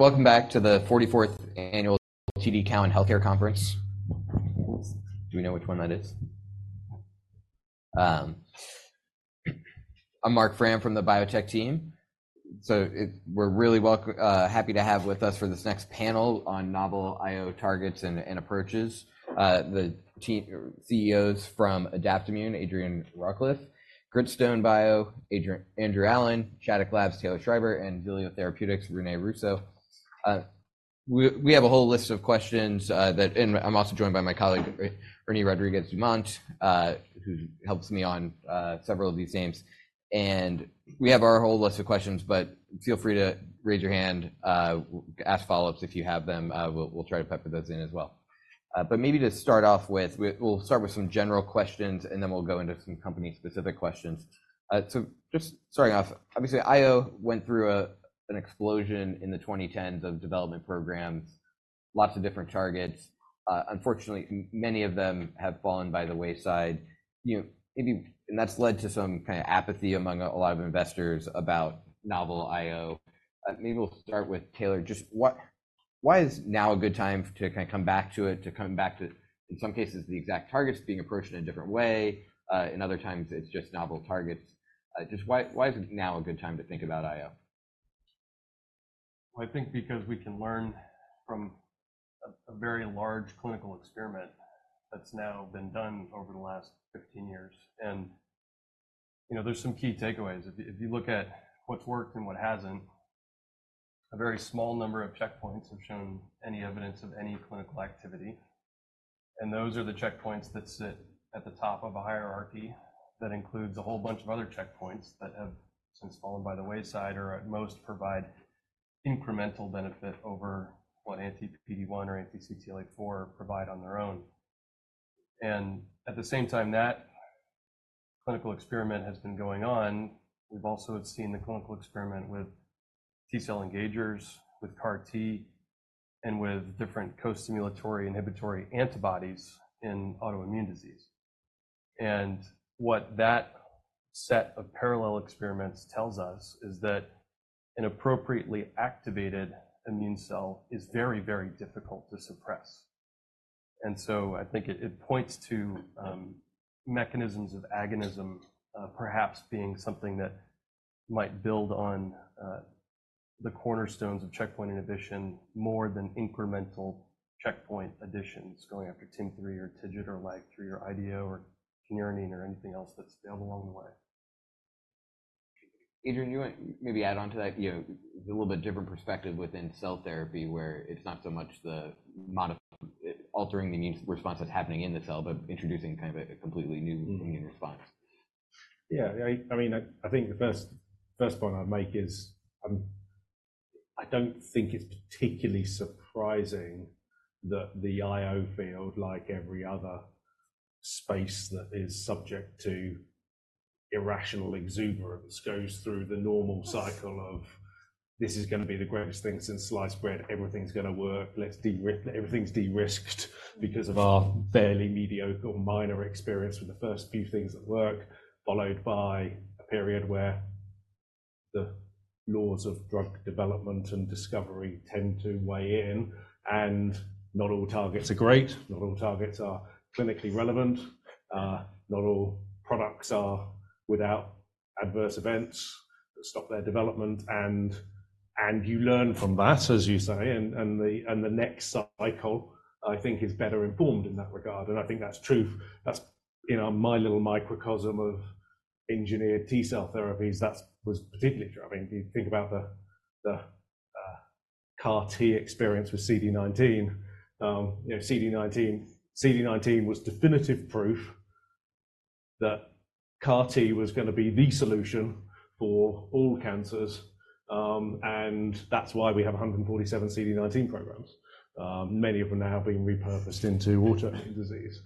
Welcome back to the 44th annual TD Cowen Healthcare Conference. Do we know which one that is? I'm Marc Frahm from the biotech team. We're really happy to have with us for this next panel on novel I/O targets and approaches. The CEOs from Adaptimmune, Adrian Rawcliffe, Gritstone Bio, Andrew Allen, Shattuck Labs, Taylor Schreiber, and Xilio Therapeutics, René Russo. We have a whole list of questions, and I'm also joined by my colleague, Ernie Rodriguez Dumont, who helps me on several of these names. We have our whole list of questions, but feel free to raise your hand. Ask follow-ups if you have them. We'll try to pepper those in as well. Maybe to start off with, we'll start with some general questions, and then we'll go into some company-specific questions. So just starting off, obviously, I/O went through an explosion in the 2010s of development programs. Lots of different targets. Unfortunately, many of them have fallen by the wayside. That's led to some kind of apathy among a lot of investors about novel I/O. Maybe we'll start with Taylor. Just why is now a good time to kind of come back to it, to come back to, in some cases, the exact targets being approached in a different way? In other times, it's just novel targets. Just why is it now a good time to think about I/O? Well, I think because we can learn from a very large clinical experiment that's now been done over the last 15 years. There's some key takeaways. If you look at what's worked and what hasn't, a very small number of checkpoints have shown any evidence of any clinical activity. Those are the checkpoints that sit at the top of a hierarchy that includes a whole bunch of other checkpoints that have since fallen by the wayside or at most provide incremental benefit over what anti-PD-1 or anti-CTLA-4 provide on their own. At the same time, that clinical experiment has been going on. We've also seen the clinical experiment with T-cell engagers, with CAR-T, and with different co-stimulatory inhibitory antibodies in autoimmune disease. What that set of parallel experiments tells us is that an appropriately activated immune cell is very, very difficult to suppress. I think it points to mechanisms of agonism perhaps being something that might build on the cornerstones of checkpoint inhibition more than incremental checkpoint additions going after TIM-3 or TIGIT or LAG-3 or IDO or KIR or anything else that's failed along the way. Adrian, you want to maybe add on to that? It's a little bit different perspective within cell therapy, where it's not so much the altering the immune response that's happening in the cell, but introducing kind of a completely new immune response. Yeah. I mean, I think the first point I'd make is I don't think it's particularly surprising that the I/O field, like every other space that is subject to irrational exuberance, goes through the normal cycle of, "This is going to be the greatest thing since sliced bread. Everything's going to work. Everything's de-risked because of our fairly mediocre or minor experience with the first few things that work," followed by a period where the laws of drug development and discovery tend to weigh in. And not all targets are great. Not all targets are clinically relevant. Not all products are without adverse events that stop their development. And you learn from that, as you say. And the next cycle, I think, is better informed in that regard. And I think that's true in my little microcosm of engineered T-cell therapies. That was particularly true. I mean, if you think about the CAR-T experience with CD19, CD19 was definitive proof that CAR-T was going to be the solution for all cancers. That's why we have 147 CD19 programs, many of them now being repurposed into autoimmune disease.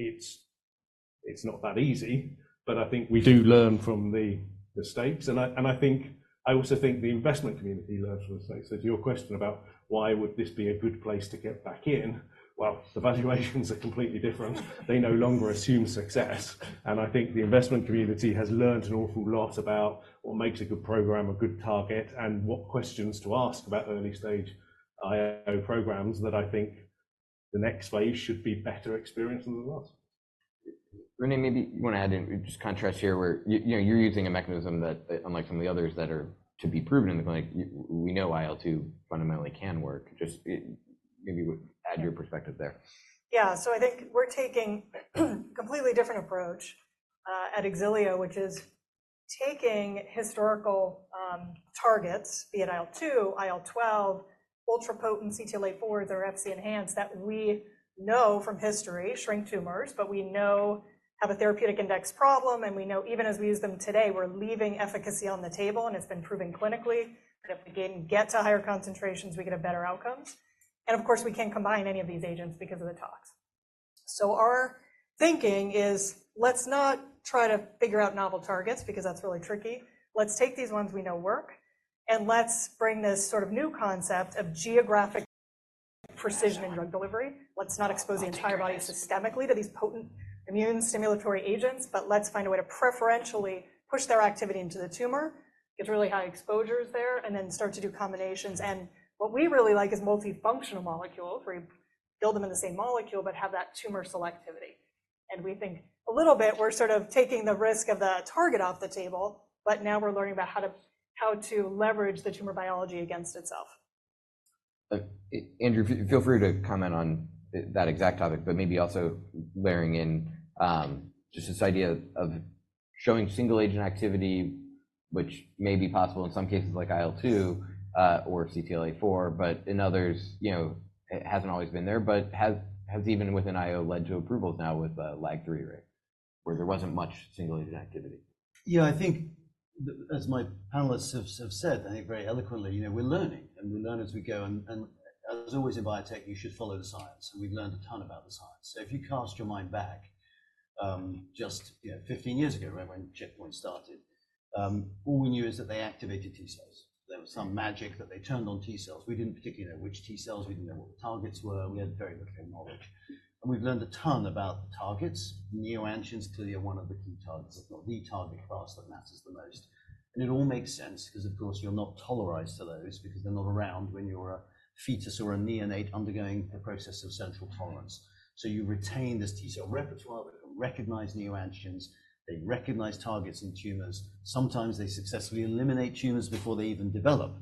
It's not that easy. I think we do learn from the mistakes. I also think the investment community learns from the mistakes. To your question about why would this be a good place to get back in, well, the valuations are completely different. They no longer assume success. I think the investment community has learned an awful lot about what makes a good program a good target and what questions to ask about early-stage I/O programs that I think the next phase should be better experienced than the last. René, maybe you want to add in just contrast here, where you're using a mechanism that, unlike some of the others that are to be proven in the clinic, we know IL-2 fundamentally can work. Just maybe add your perspective there. Yeah. So I think we're taking a completely different approach at Xilio, which is taking historical targets, be it IL-2, IL-12, ultrapotent CTLA-4, their Fc enhanced that we know from history, shrink tumors, but we know have a therapeutic index problem. And we know even as we use them today, we're leaving efficacy on the table, and it's been proven clinically. And if we can get to higher concentrations, we get better outcomes. And of course, we can't combine any of these agents because of the tox. So our thinking is, let's not try to figure out novel targets because that's really tricky. Let's take these ones we know work. And let's bring this sort of new concept of geographic precision in drug delivery. Let's not expose the entire body systemically to these potent immune stimulatory agents. But let's find a way to preferentially push their activity into the tumor. Get really high exposures there and then start to do combinations. What we really like is multifunctional molecules where you build them in the same molecule but have that tumor selectivity. We think a little bit we're sort of taking the risk of the target off the table. But now we're learning about how to leverage the tumor biology against itself. Andrew, feel free to comment on that exact topic, but maybe also layering in just this idea of showing single-agent activity, which may be possible in some cases like IL-2 or CTLA-4, but in others, it hasn't always been there, but has even within I/O led to approvals now with a LAG-3 rate where there wasn't much single-agent activity. Yeah. I think, as my panelists have said, I think very eloquently, we're learning, and we learn as we go. As always in Biotech, you should follow the science. We've learned a ton about the science. So if you cast your mind back just 15 years ago, right, when checkpoints started, all we knew is that they activated T-cells. There was some magic that they turned on T-cells. We didn't particularly know which T-cells. We didn't know what the targets were. We had very little knowledge. We've learned a ton about the targets. Neoantigens clearly are one of the key targets, if not the target class that matters the most. It all makes sense because, of course, you're not tolerized to those because they're not around when you're a fetus or a neonate undergoing the process of central tolerance. So you retain this T-cell repertoire. They can recognize neoantigens. They recognize targets in tumors. Sometimes they successfully eliminate tumors before they even develop.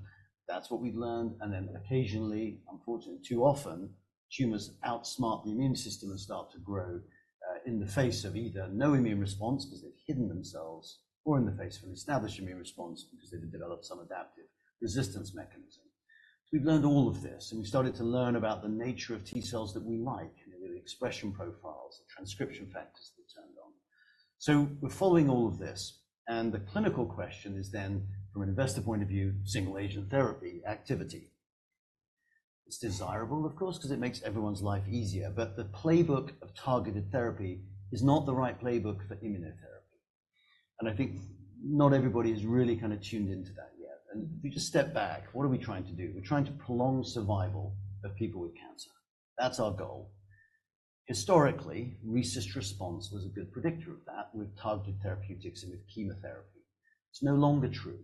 That's what we've learned. And then occasionally, unfortunately, too often, tumors outsmart the immune system and start to grow in the face of either no immune response because they've hidden themselves or in the face of an established immune response because they've developed some adaptive resistance mechanism. So we've learned all of this. And we started to learn about the nature of T cells that we like, the expression profiles, the transcription factors that turned on. So we're following all of this. And the clinical question is then, from an investor point of view, single-agent therapy activity. It's desirable, of course, because it makes everyone's life easier. But the playbook of targeted therapy is not the right playbook for immunotherapy. And I think not everybody is really kind of tuned into that yet. If you just step back, what are we trying to do? We're trying to prolong survival of people with cancer. That's our goal. Historically, RECIST response was a good predictor of that with targeted therapeutics and with chemotherapy. It's no longer true.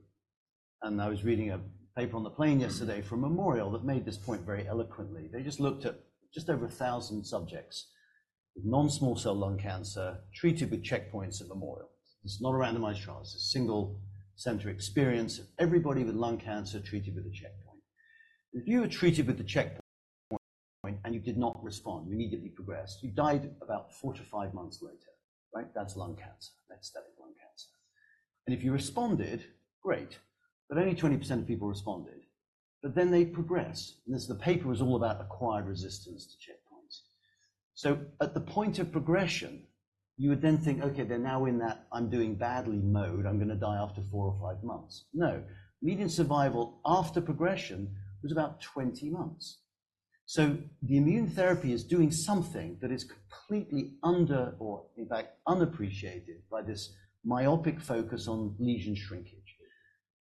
I was reading a paper on the plane yesterday from Memorial that made this point very eloquently. They just looked at just over 1,000 subjects with non-small cell lung cancer treated with checkpoints at Memorial. It's not a randomized trial. It's a single-center experience of everybody with lung cancer treated with a checkpoint. If you were treated with the checkpoint and you did not respond, you immediately progressed. You died about four months-five months later, right? That's lung cancer. Metastatic lung cancer. If you responded, great. Only 20% of people responded. But then they progress. And this paper was all about acquired resistance to checkpoints. So at the point of progression, you would then think, OK, they're now in that, "I'm doing badly," mode. I'm going to die after four or five months. No. Median survival after progression was about 20 months. So the immune therapy is doing something that is completely under or, in fact, unappreciated by this myopic focus on lesion shrinkage.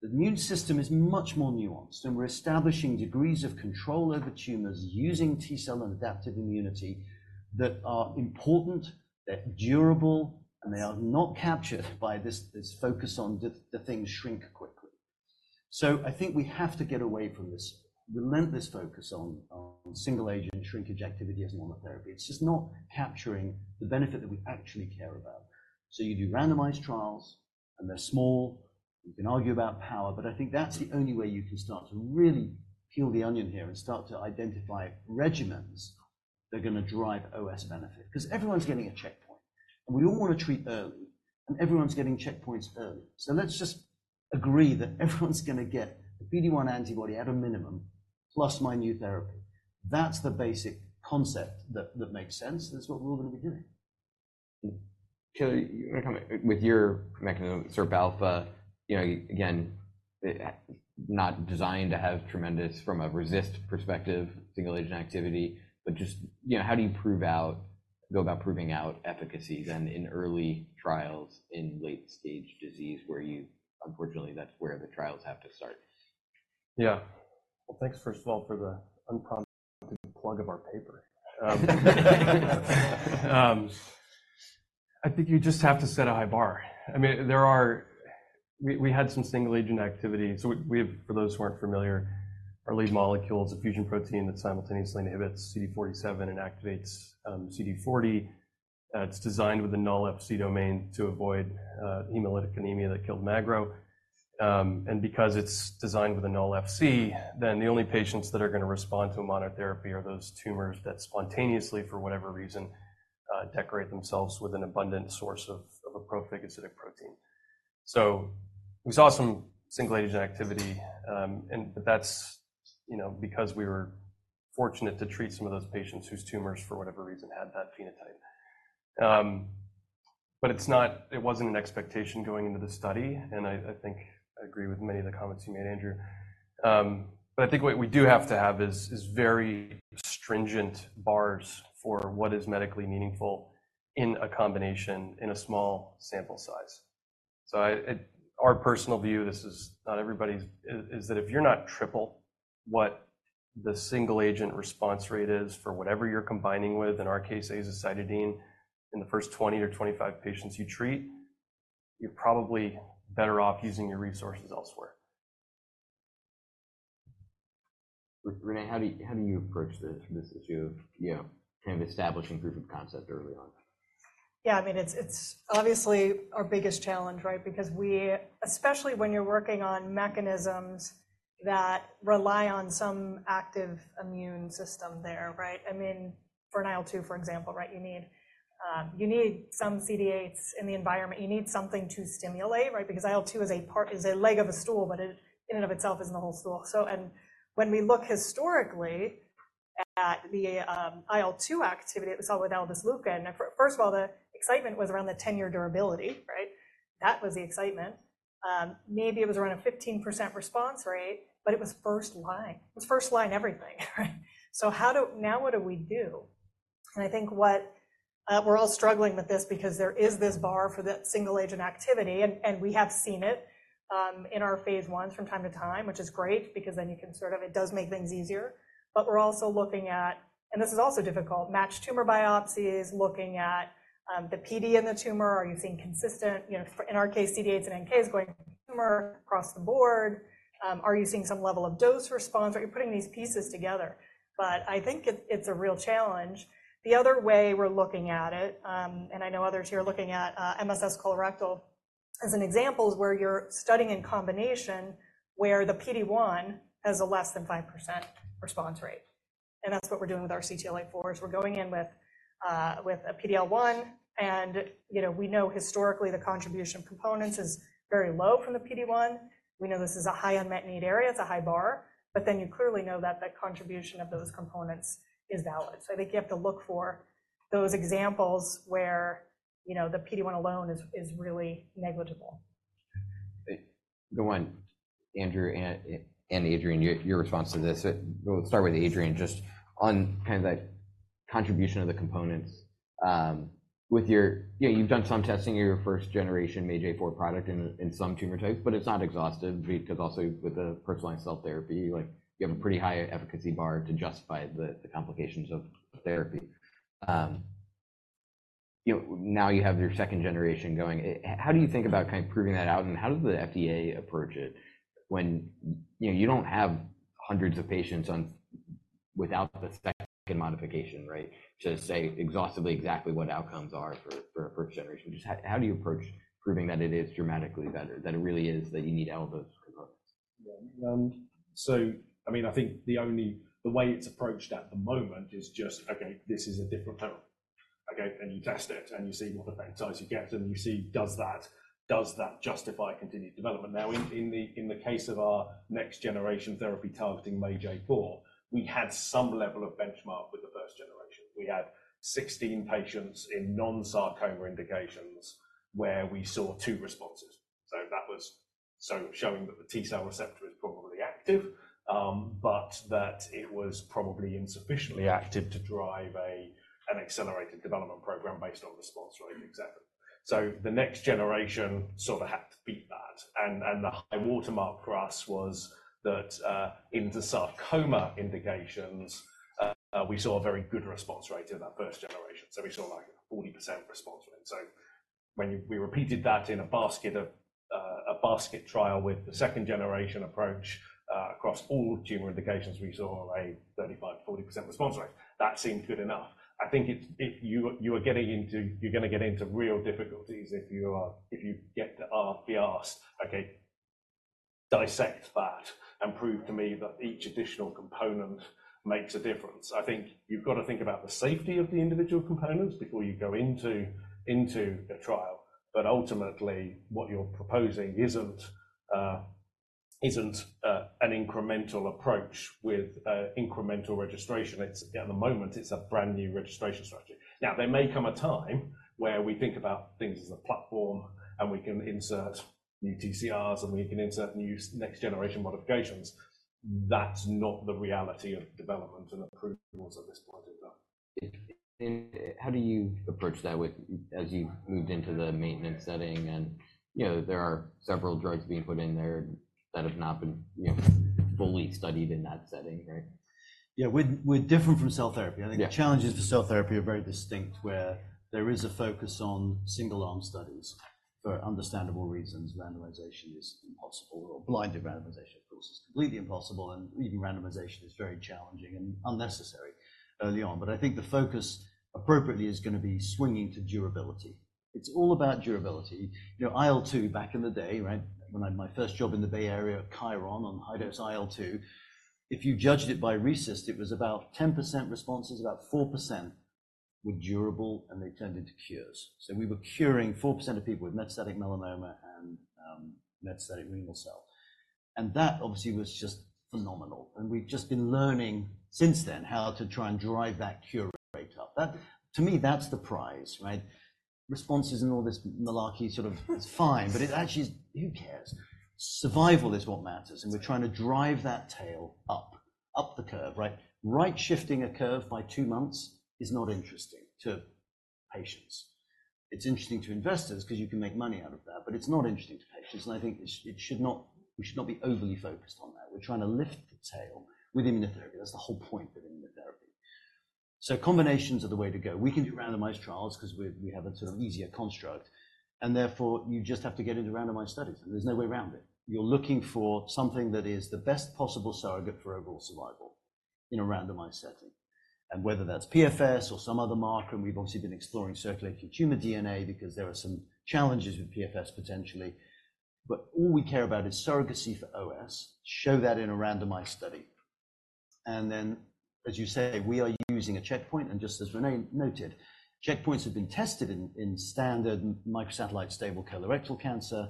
The immune system is much more nuanced. And we're establishing degrees of control over tumors using T-cell and adaptive immunity that are important. They're durable. And they are not captured by this focus on the things shrink quickly. So I think we have to get away from this relentless focus on single-agent shrinkage activity as normal therapy. It's just not capturing the benefit that we actually care about. So you do randomized trials. And they're small. You can argue about power. I think that's the only way you can start to really peel the onion here and start to identify regimens that are going to drive OS benefit because everyone's getting a checkpoint. We all want to treat early. Everyone's getting checkpoints early. Let's just agree that everyone's going to get a PD-1 antibody at a minimum plus my new therapy. That's the basic concept that makes sense. That's what we're all going to be doing. Taylor, with your mechanism, SIRPα, again, not designed to have tremendous from a resistance perspective, single-agent activity, but just how do you go about proving out efficacies in early trials in late-stage disease where unfortunately, that's where the trials have to start? Yeah. Well, thanks, first of all, for the unprompted plug of our paper. I think you just have to set a high bar. I mean, we had some single-agent activity. So for those who aren't familiar, our lead molecule is a fusion protein that simultaneously inhibits CD47 and activates CD40. It's designed with a null Fc domain to avoid hemolytic anemia that killed magrolimab. And because it's designed with a null Fc, then the only patients that are going to respond to a monotherapy are those tumors that spontaneously, for whatever reason, decorate themselves with an abundant source of a prophagocytic protein. So we saw some single-agent activity. But that's because we were fortunate to treat some of those patients whose tumors, for whatever reason, had that phenotype. But it wasn't an expectation going into the study. And I think I agree with many of the comments you made, Andrew. But I think what we do have to have is very stringent bars for what is medically meaningful in a combination in a small sample size. So our personal view, this is not everybody's, is that if you're not triple what the single-agent response rate is for whatever you're combining with, in our case, azacitidine, in the first 20 or 25 patients you treat, you're probably better off using your resources elsewhere. René, how do you approach this issue of kind of establishing proof of concept early on? Yeah. I mean, it's obviously our biggest challenge, right, because especially when you're working on mechanisms that rely on some active immune system there, right? I mean, for an IL-2, for example, right, you need some CD8s in the environment. You need something to stimulate, right, because IL-2 is a leg of a stool, but it in and of itself isn't the whole stool. And when we look historically at the IL-2 activity, it was all with aldesleukin. First of all, the excitement was around the 10-year durability, right? That was the excitement. Maybe it was around a 15% response rate. But it was first line. It was first line everything, right? So now what do we do? And I think we're all struggling with this because there is this bar for that single-agent activity. We have seen it in our phase Is from time to time, which is great because then it does make things easier. But we're also looking at, and this is also difficult, match tumor biopsies, looking at the PD in the tumor. Are you seeing consistent? In our case, CD8s and NKs going to the tumor across the board. Are you seeing some level of dose response? Right? You're putting these pieces together. But I think it's a real challenge. The other way we're looking at it, and I know others here are looking at MSS colorectal as an example, is where you're studying in combination where the PD-1 has a less than 5% response rate. And that's what we're doing with our CTLA-4s. We're going in with a PD-L1. And we know historically, the contribution of components is very low from the PD-1. We know this is a high unmet need area. It's a high bar. But then you clearly know that that contribution of those components is valid. So I think you have to look for those examples where the PD-1 alone is really negligible. Go on, Andrew and Adrian, your response to this. We'll start with Adrian just on kind of that contribution of the components. You've done some testing of your first-generation MAGE-A4 product in some tumor types. But it's not exhaustive because also with the personalized cell therapy, you have a pretty high efficacy bar to justify the complications of therapy. Now you have your second generation going. How do you think about kind of proving that out? And how does the FDA approach it when you don't have 100s of patients without the second modification, right, to say exhaustively exactly what outcomes are for a first generation? Just how do you approach proving that it is dramatically better, that it really is that you need all those components? Yeah. So I mean, I think the way it's approached at the moment is just, OK, this is a different term. OK, and you test it. And you see what effect it has. You get it. And you see, does that justify continued development? Now, in the case of our next-generation therapy targeting MAGE-A4, we had some level of benchmark with the first generation. We had 16 patients in non-sarcoma indications where we saw two responses. So that was showing that the T-cell receptor is probably active but that it was probably insufficiently active to drive an accelerated development program based on response rate, et cetera. So the next generation sort of had to beat that. And the high watermark for us was that into sarcoma indications, we saw a very good response rate in that first generation. So we saw like a 40% response rate. So when we repeated that in a basket trial with the second generation approach across all tumor indications, we saw a 35%-40% response rate. That seemed good enough. I think you are going to get into real difficulties if you get to be asked, OK, dissect that and prove to me that each additional component makes a difference. I think you've got to think about the safety of the individual components before you go into a trial. But ultimately, what you're proposing isn't an incremental approach with incremental registration. At the moment, it's a brand new registration strategy. Now, there may come a time where we think about things as a platform. And we can insert new TCRs. And we can insert new next-generation modifications. That's not the reality of development and approvals at this point in time. How do you approach that as you've moved into the maintenance setting? There are several drugs being put in there that have not been fully studied in that setting, right? Yeah. We're different from cell therapy. I think the challenges for cell therapy are very distinct, where there is a focus on single-arm studies. For understandable reasons, randomization is impossible. Or blinded randomization, of course, is completely impossible. And even randomization is very challenging and unnecessary early on. But I think the focus appropriately is going to be swinging to durability. It's all about durability. IL-2, back in the day, right, when I had my first job in the Bay Area, Chiron, on high-dose IL-2, if you judged it by RECIST, it was about 10% responses, about 4% were durable. And they turned into cures. So we were curing 4% of people with metastatic melanoma and metastatic renal cell. And that, obviously, was just phenomenal. And we've just been learning since then how to try and drive that cure rate up. To me, that's the prize, right? Responses and all this malarkey sort of, it's fine. But it actually is, who cares? Survival is what matters. We're trying to drive that tail up, up the curve, right? Right shifting a curve by two months is not interesting to patients. It's interesting to investors because you can make money out of that. But it's not interesting to patients. I think we should not be overly focused on that. We're trying to lift the tail with immunotherapy. That's the whole point of immunotherapy. Combinations are the way to go. We can do randomized trials because we have a sort of easier construct. Therefore, you just have to get into randomized studies. There's no way around it. You're looking for something that is the best possible surrogate for overall survival in a randomized setting. Whether that's PFS or some other marker and we've obviously been exploring circulating tumor DNA because there are some challenges with PFS potentially. But all we care about is surrogacy for OS. Show that in a randomized study. And then, as you say, we are using a checkpoint. And just as René noted, checkpoints have been tested in standard microsatellite stable colorectal cancer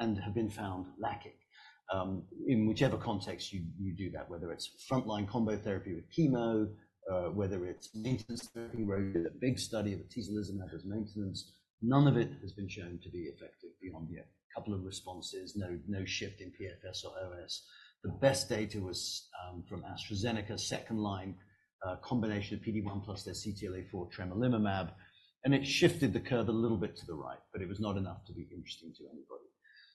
and have been found lacking. In whichever context you do that, whether it's frontline combo therapy with chemo, whether it's maintenance therapy, whether it's a big study of the T-cell atezolizumab maintenance, none of it has been shown to be effective beyond a couple of responses, no shift in PFS or OS. The best data was from AstraZeneca, second-line combination of PD-1 plus their CTLA-4 tremelimumab. And it shifted the curve a little bit to the right. It was not enough to be interesting to anybody.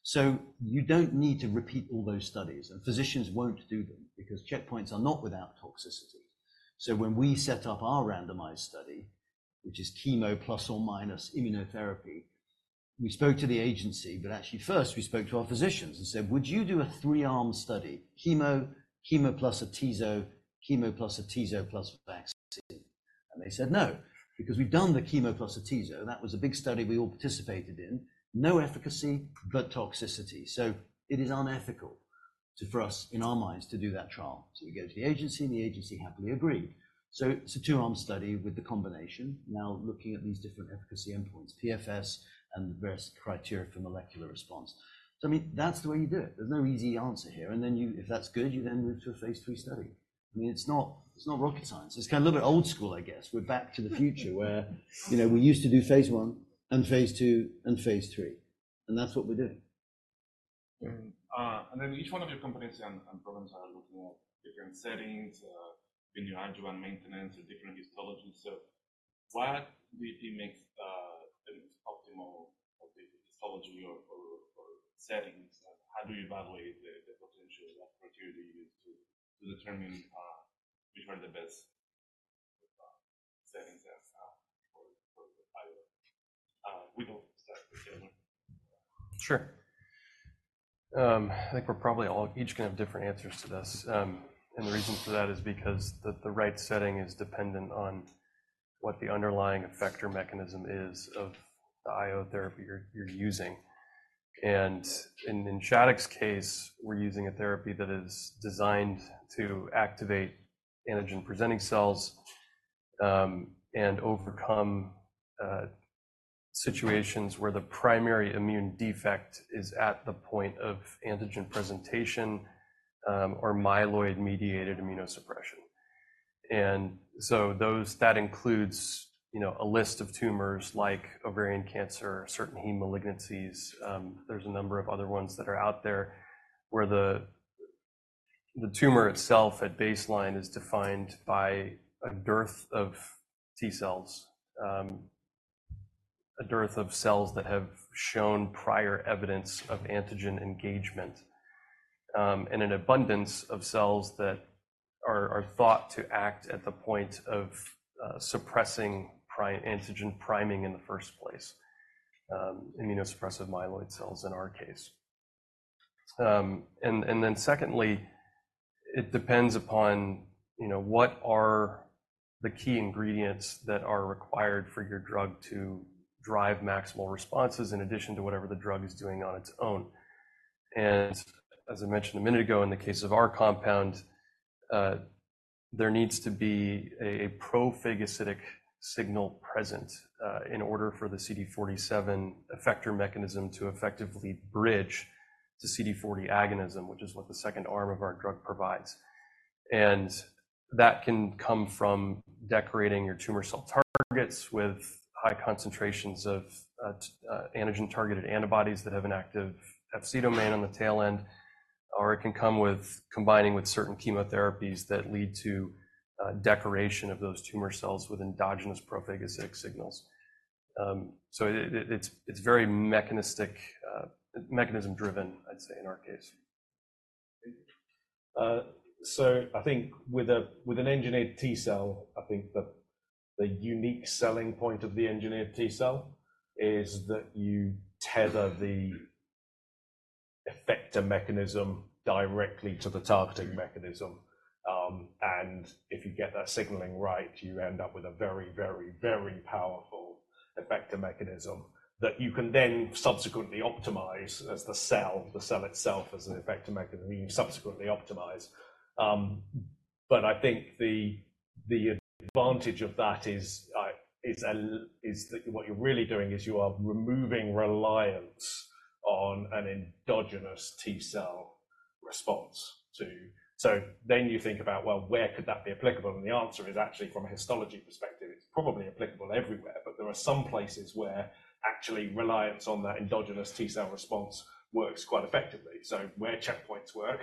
So you don't need to repeat all those studies. And physicians won't do them because checkpoints are not without toxicity. So when we set up our randomized study, which is chemo plus or minus immunotherapy, we spoke to the agency. But actually, first, we spoke to our physicians and said, would you do a three-arm study, chemo, chemo plus atezo, chemo plus atezo plus vaccine? And they said no because we'd done the chemo plus atezo. That was a big study we all participated in. No efficacy, but toxicity. So it is unethical for us, in our minds, to do that trial. So we go to the agency. And the agency happily agreed. So it's a two-arm study with the combination, now looking at these different efficacy endpoints, PFS and the various criteria for molecular response. I mean, that's the way you do it. There's no easy answer here. Then if that's good, you then move to a phase III study. I mean, it's not rocket science. It's kind of a little bit old school, I guess. We're back to the future where we used to do phase I and phase II and phase III. That's what we're doing. And then each one of your components and programs are looking at different settings, the neoadjuvant maintenance, or different histologies. So what do you think makes an optimal histology or settings? How do you evaluate the potential criteria you use to determine which are the best settings for the pilot? We can start together. Sure. I think we're probably all each going to have different answers to this. And the reason for that is because the right setting is dependent on what the underlying effector mechanism is of the I/O therapy you're using. And in Shattuck's case, we're using a therapy that is designed to activate antigen-presenting cells and overcome situations where the primary immune defect is at the point of antigen presentation or myeloid-mediated immunosuppression. And so that includes a list of tumors like ovarian cancer, certain heme malignancies. There's a number of other ones that are out there where the tumor itself at baseline is defined by a dearth of T cells, a dearth of cells that have shown prior evidence of antigen engagement, and an abundance of cells that are thought to act at the point of suppressing antigen priming in the first place, immunosuppressive myeloid cells in our case. And then secondly, it depends upon what are the key ingredients that are required for your drug to drive maximal responses in addition to whatever the drug is doing on its own. And as I mentioned a minute ago, in the case of our compound, there needs to be a prophagocytic signal present in order for the CD47 effector mechanism to effectively bridge to CD40 agonism, which is what the second arm of our drug provides. And that can come from decorating your tumor cell targets with high concentrations of antigen-targeted antibodies that have an active Fc domain on the tail end. Or it can come with combining with certain chemotherapies that lead to decoration of those tumor cells with endogenous prophagocytic signals. So it's very mechanism-driven, I'd say, in our case. So I think with an engineered T cell, I think the unique selling point of the engineered T cell is that you tether the effector mechanism directly to the targeting mechanism. And if you get that signaling right, you end up with a very, very, very powerful effector mechanism that you can then subsequently optimize as the cell, the cell itself, as an effector mechanism. You subsequently optimize. But I think the advantage of that is that what you're really doing is you are removing reliance on an endogenous T cell response. So then you think about, well, where could that be applicable? And the answer is actually, from a histology perspective, it's probably applicable everywhere. But there are some places where actually reliance on that endogenous T cell response works quite effectively. So where checkpoints work,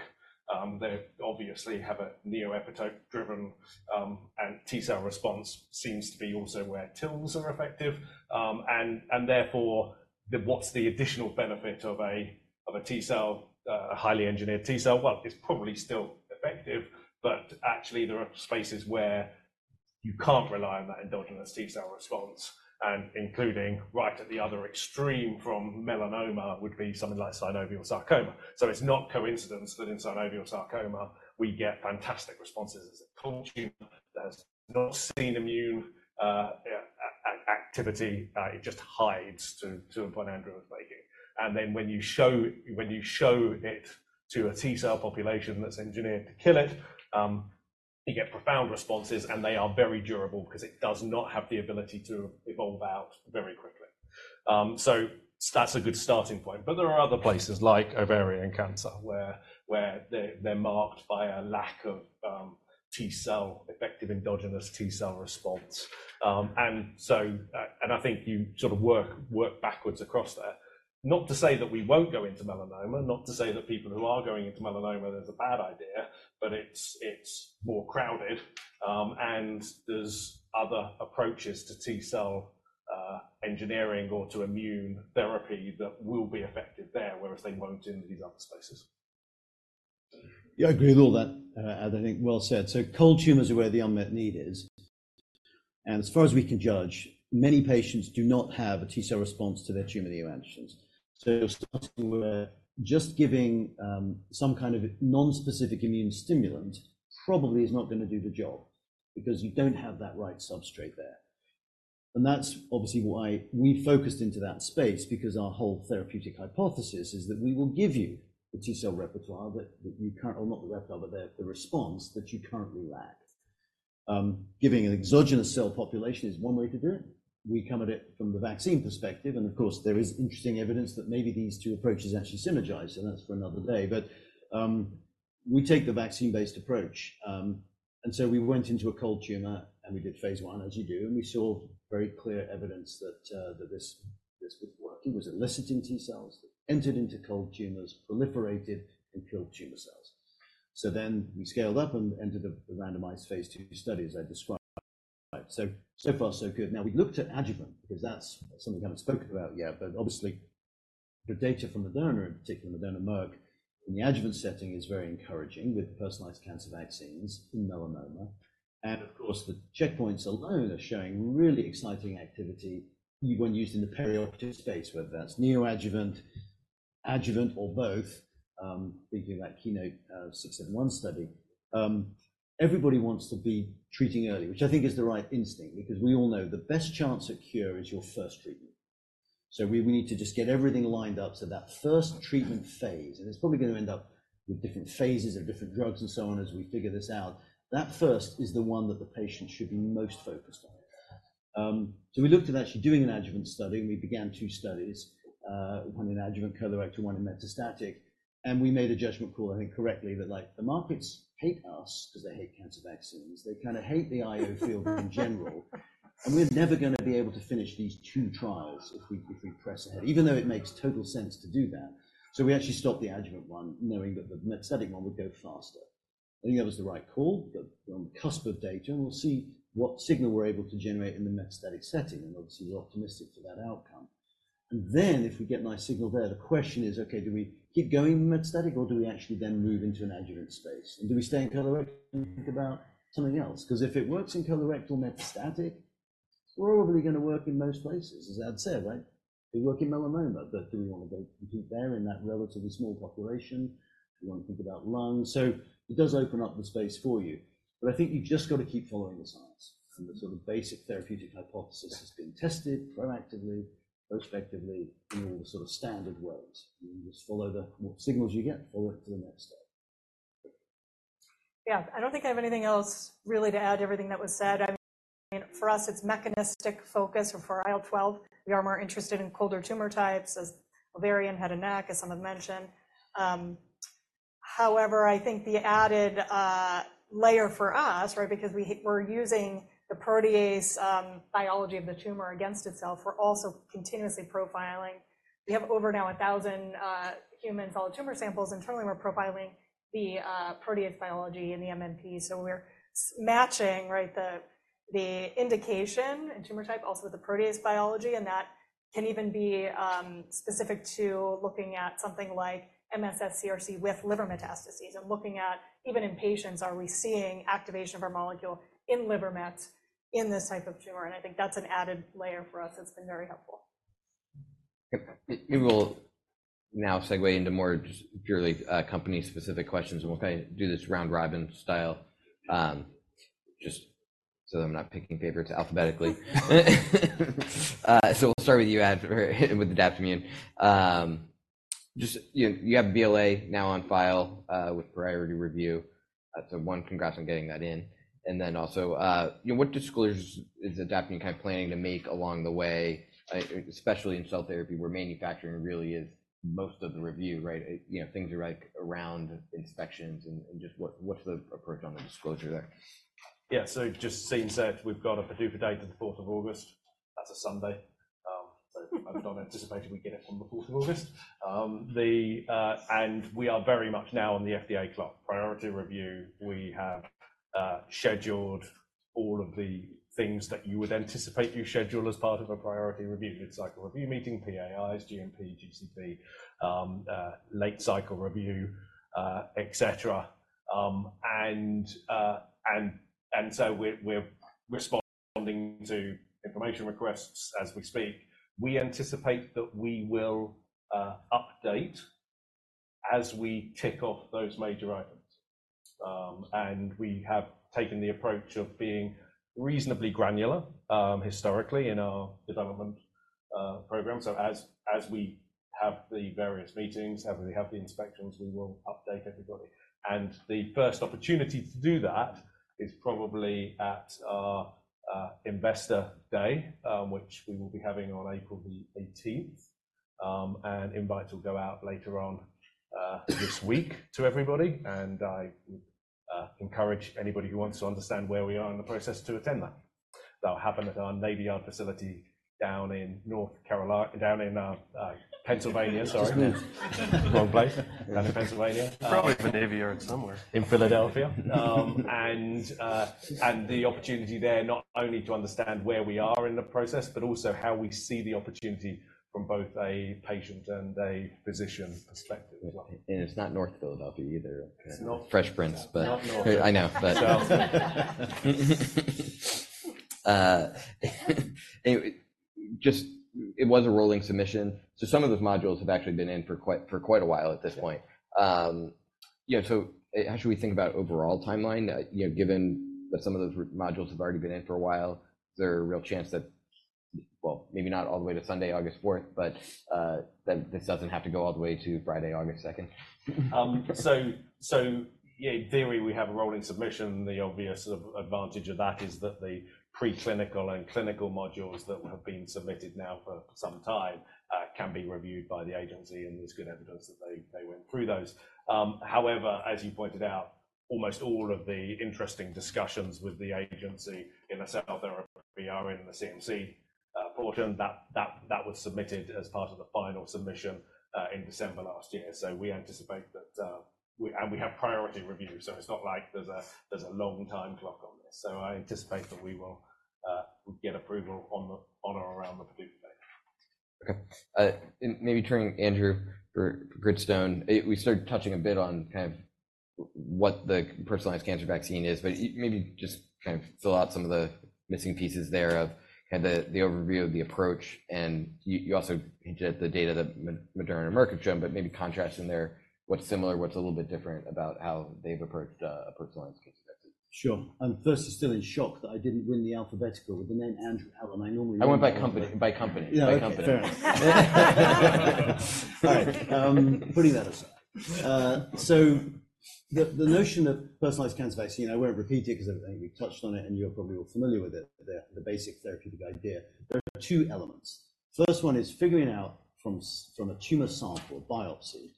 they obviously have a neoepitope-driven T cell response. It seems to be also where TILs are effective. And therefore, what's the additional benefit of a highly engineered T cell? Well, it's probably still effective. But actually, there are spaces where you can't rely on that endogenous T cell response, including right at the other extreme from melanoma would be something like synovial sarcoma. So it's not coincidence that in synovial sarcoma, we get fantastic responses as a cold tumor that has not seen immune activity. It just hides to a point Andrew was making. And then when you show it to a T cell population that's engineered to kill it, you get profound responses. And they are very durable because it does not have the ability to evolve out very quickly. So that's a good starting point. But there are other places, like ovarian cancer, where they're marked by a lack of effective endogenous T cell response. I think you sort of work backwards across there, not to say that we won't go into melanoma, not to say that people who are going into melanoma, there's a bad idea. But it's more crowded. And there's other approaches to T cell engineering or to immune therapy that will be effective there, whereas they won't in these other spaces. Yeah, I agree with all that, Adrian. I think, well said. So cold tumors are where the unmet need is. And as far as we can judge, many patients do not have a T-cell response to their tumor neoantigens. So you're starting where just giving some kind of nonspecific immune stimulant probably is not going to do the job because you don't have that right substrate there. And that's obviously why we focused into that space because our whole therapeutic hypothesis is that we will give you the T-cell repertoire that you currently, well, not the repertoire, but the response that you currently lack. Giving an exogenous cell population is one way to do it. We come at it from the vaccine perspective. And of course, there is interesting evidence that maybe these two approaches actually synergize. So that's for another day. But we take the vaccine-based approach. And so we went into a cold tumor. And we did phase I, as you do. And we saw very clear evidence that this was working. It was eliciting T cells that entered into cold tumors, proliferated, and killed tumor cells. So then we scaled up and entered the randomized phase II study, as I described. So far, so good. Now, we looked at adjuvant because that's something I haven't spoken about yet. But obviously, the data from Moderna, in particular, Moderna Merck, in the adjuvant setting is very encouraging with personalized cancer vaccines in melanoma. And of course, the checkpoints alone are showing really exciting activity when used in the perioperative space, whether that's neoadjuvant, adjuvant, or both, thinking of that Keynote 671 study. Everybody wants to be treating early, which I think is the right instinct because we all know the best chance at cure is your first treatment. We need to just get everything lined up so that first treatment phase and it's probably going to end up with different phases of different drugs and so on as we figure this out. That first is the one that the patient should be most focused on. We looked at actually doing an adjuvant study. We began two studies, one in adjuvant colorectal, one in metastatic. We made a judgment call, I think, correctly, that the markets hate us because they hate cancer vaccines. They kind of hate the IO field in general. We're never going to be able to finish these two trials if we press ahead, even though it makes total sense to do that. So we actually stopped the adjuvant one knowing that the metastatic one would go faster. I think that was the right call. We're on the cusp of data. And we'll see what signal we're able to generate in the metastatic setting. And obviously, we're optimistic for that outcome. And then if we get nice signal there, the question is, OK, do we keep going metastatic? Or do we actually then move into an adjuvant space? And do we stay in colorectal and think about something else? Because if it works in colorectal metastatic, it's probably going to work in most places, as Adam said, right? It'll work in melanoma. But do we want to go compete there in that relatively small population? Do we want to think about lungs? So it does open up the space for you. But I think you've just got to keep following the science. The sort of basic therapeutic hypothesis has been tested proactively, prospectively, in all the sort of standard ways. You just follow the signals you get. Follow it to the next step. Yeah, I don't think I have anything else really to add to everything that was said. For us, it's mechanistic focus. And for IL-12, we are more interested in colder tumor types, as ovarian, head and neck, as some have mentioned. However, I think the added layer for us, right, because we're using the protease biology of the tumor against itself, we're also continuously profiling. We have over now 1,000 humans' all tumor samples. Internally, we're profiling the protease biology in the TME. So we're matching the indication and tumor type also with the protease biology. And that can even be specific to looking at something like MSS-CRC with liver metastases and looking at, even in patients, are we seeing activation of our molecule in liver mets in this type of tumor? And I think that's an added layer for us that's been very helpful. We will now segue into more purely company-specific questions. And we'll kind of do this round-robin style just so that I'm not picking favorites alphabetically. So we'll start with you, Adrian, with Adaptimmune. You have BLA now on file with priority review. So one, congrats on getting that in. And then also, what disclosures is Adaptimmune kind of planning to make along the way, especially in cell therapy, where manufacturing really is most of the review, right? Things are around inspections. And just what's the approach on the disclosure there? Yeah, so just as I said, we've got a PDUFA date of the 4th of August. That's a Sunday. So I've not anticipated we'd get it on the 4th of August. And we are very much now on the FDA clock, priority review. We have scheduled all of the things that you would anticipate you schedule as part of a priority review. Mid-cycle review meeting, PAIs, GMP, GCP, late cycle review, et cetera. And so we're responding to information requests as we speak. We anticipate that we will update as we tick off those major items. And we have taken the approach of being reasonably granular historically in our development program. So as we have the various meetings, as we have the inspections, we will update everybody. And the first opportunity to do that is probably at our investor day, which we will be having on April the 18th. Invites will go out later on this week to everybody. I would encourage anybody who wants to understand where we are in the process to attend that. That'll happen at our Navy Yard facility down in North Carolina down in Pennsylvania, sorry, wrong place, down in Pennsylvania. Probably at the Navy Yard somewhere. In Philadelphia. The opportunity there not only to understand where we are in the process but also how we see the opportunity from both a patient and a physician perspective as well. It's not North Philadelphia either. Fresh prints. It's not North. I know. Just, it was a rolling submission. So some of those modules have actually been in for quite a while at this point. So how should we think about overall timeline? Given that some of those modules have already been in for a while, is there a real chance that, well, maybe not all the way to Sunday, August 4th, but that this doesn't have to go all the way to Friday, August 2nd? So in theory, we have a rolling submission. The obvious sort of advantage of that is that the preclinical and clinical modules that have been submitted now for some time can be reviewed by the agency. And there's good evidence that they went through those. However, as you pointed out, almost all of the interesting discussions with the agency in the cell therapy are in the CMC portion. That was submitted as part of the final submission in December last year. So we anticipate that and we have priority review. So it's not like there's a long time clock on this. So I anticipate that we will get approval on or around the PDUFA date. OK. And maybe turning, Andrew, for Gritstone, we started touching a bit on kind of what the personalized cancer vaccine is. But maybe just kind of fill out some of the missing pieces there of kind of the overview of the approach. And you also hinted at the data that Moderna and Merck had shown. But maybe contrasting there, what's similar, what's a little bit different about how they've approached a personalized cancer vaccine? Sure. First, I'm still in shock that I didn't win the alphabetical with the name Andrew Allen. I normally win. I went by company. By company. By company. All right. Putting that aside. So the notion of personalized cancer vaccine I won't repeat it because I think we've touched on it. And you're probably all familiar with it, the basic therapeutic idea. There are two elements. First one is figuring out from a tumor sample, a biopsy,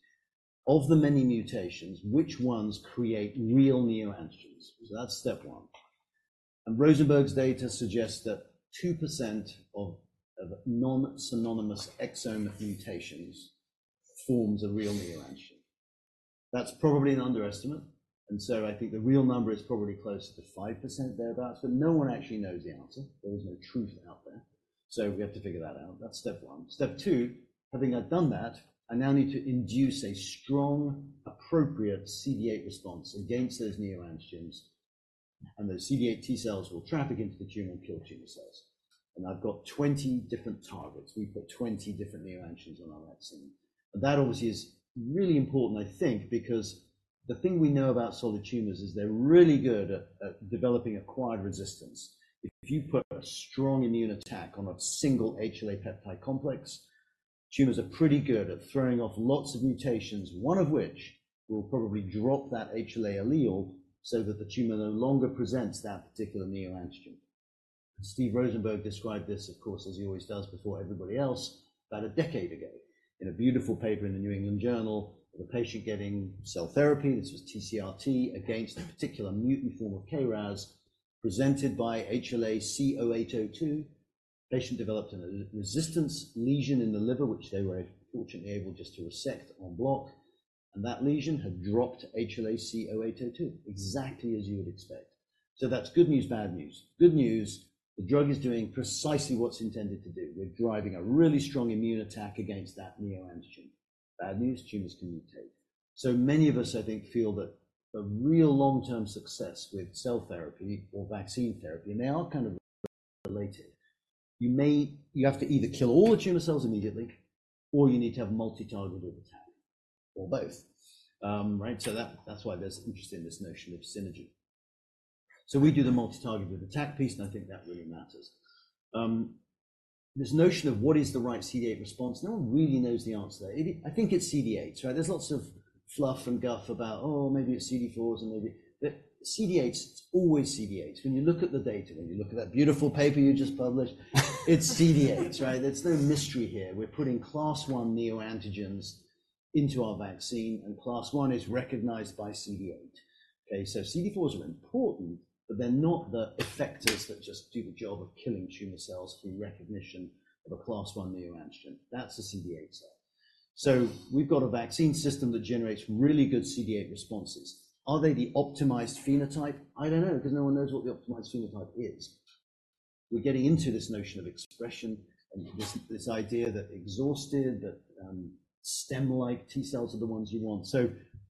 of the many mutations, which ones create real neoantigens. So that's step one. And Rosenberg's data suggests that 2% of non-synonymous exome mutations forms a real neoantigen. That's probably an underestimate. And so I think the real number is probably close to 5% thereabouts. But no one actually knows the answer. There is no truth out there. So we have to figure that out. That's step one. Step two, having done that, I now need to induce a strong, appropriate CD8 response against those neoantigens. And those CD8 T cells will traffic into the tumor and kill tumor cells. I've got 20 different targets. We put 20 different neoantigens on our vaccine. And that obviously is really important, I think, because the thing we know about solid tumors is they're really good at developing acquired resistance. If you put a strong immune attack on a single HLA peptide complex, tumors are pretty good at throwing off lots of mutations, one of which will probably drop that HLA allele so that the tumor no longer presents that particular neoantigen. Steve Rosenberg described this, of course, as he always does before everybody else, about a decade ago in a beautiful paper in the New England Journal of a patient getting cell therapy. This was TCR-T against a particular mutant form of KRAS presented by HLA-C0802. The patient developed a resistance lesion in the liver, which they were fortunately able just to resect en bloc. That lesion had dropped HLA-C0802 exactly as you would expect. So that's good news, bad news. Good news, the drug is doing precisely what's intended to do. We're driving a really strong immune attack against that neoantigen. Bad news, tumors can mutate. So many of us, I think, feel that the real long-term success with cell therapy or vaccine therapy and they are kind of related. You have to either kill all the tumor cells immediately, or you need to have a multi-targeted attack or both, right? So that's why there's interest in this notion of synergy. So we do the multi-targeted attack piece. And I think that really matters. This notion of what is the right CD8 response no one really knows the answer there. I think it's CD8s, right? There's lots of fluff and guff about, oh, maybe it's CD4s. And maybe but CD8s, it's always CD8s. When you look at the data, when you look at that beautiful paper you just published, it's CD8s, right? There's no mystery here. We're putting class I neoantigens into our vaccine. Class I is recognized by CD8. OK, so CD4s are important. They're not the effectors that just do the job of killing tumor cells through recognition of a class I neoantigen. That's a CD8 cell. We've got a vaccine system that generates really good CD8 responses. Are they the optimized phenotype? I don't know because no one knows what the optimized phenotype is. We're getting into this notion of expression and this idea that exhausted, that stem-like T cells are the ones you want.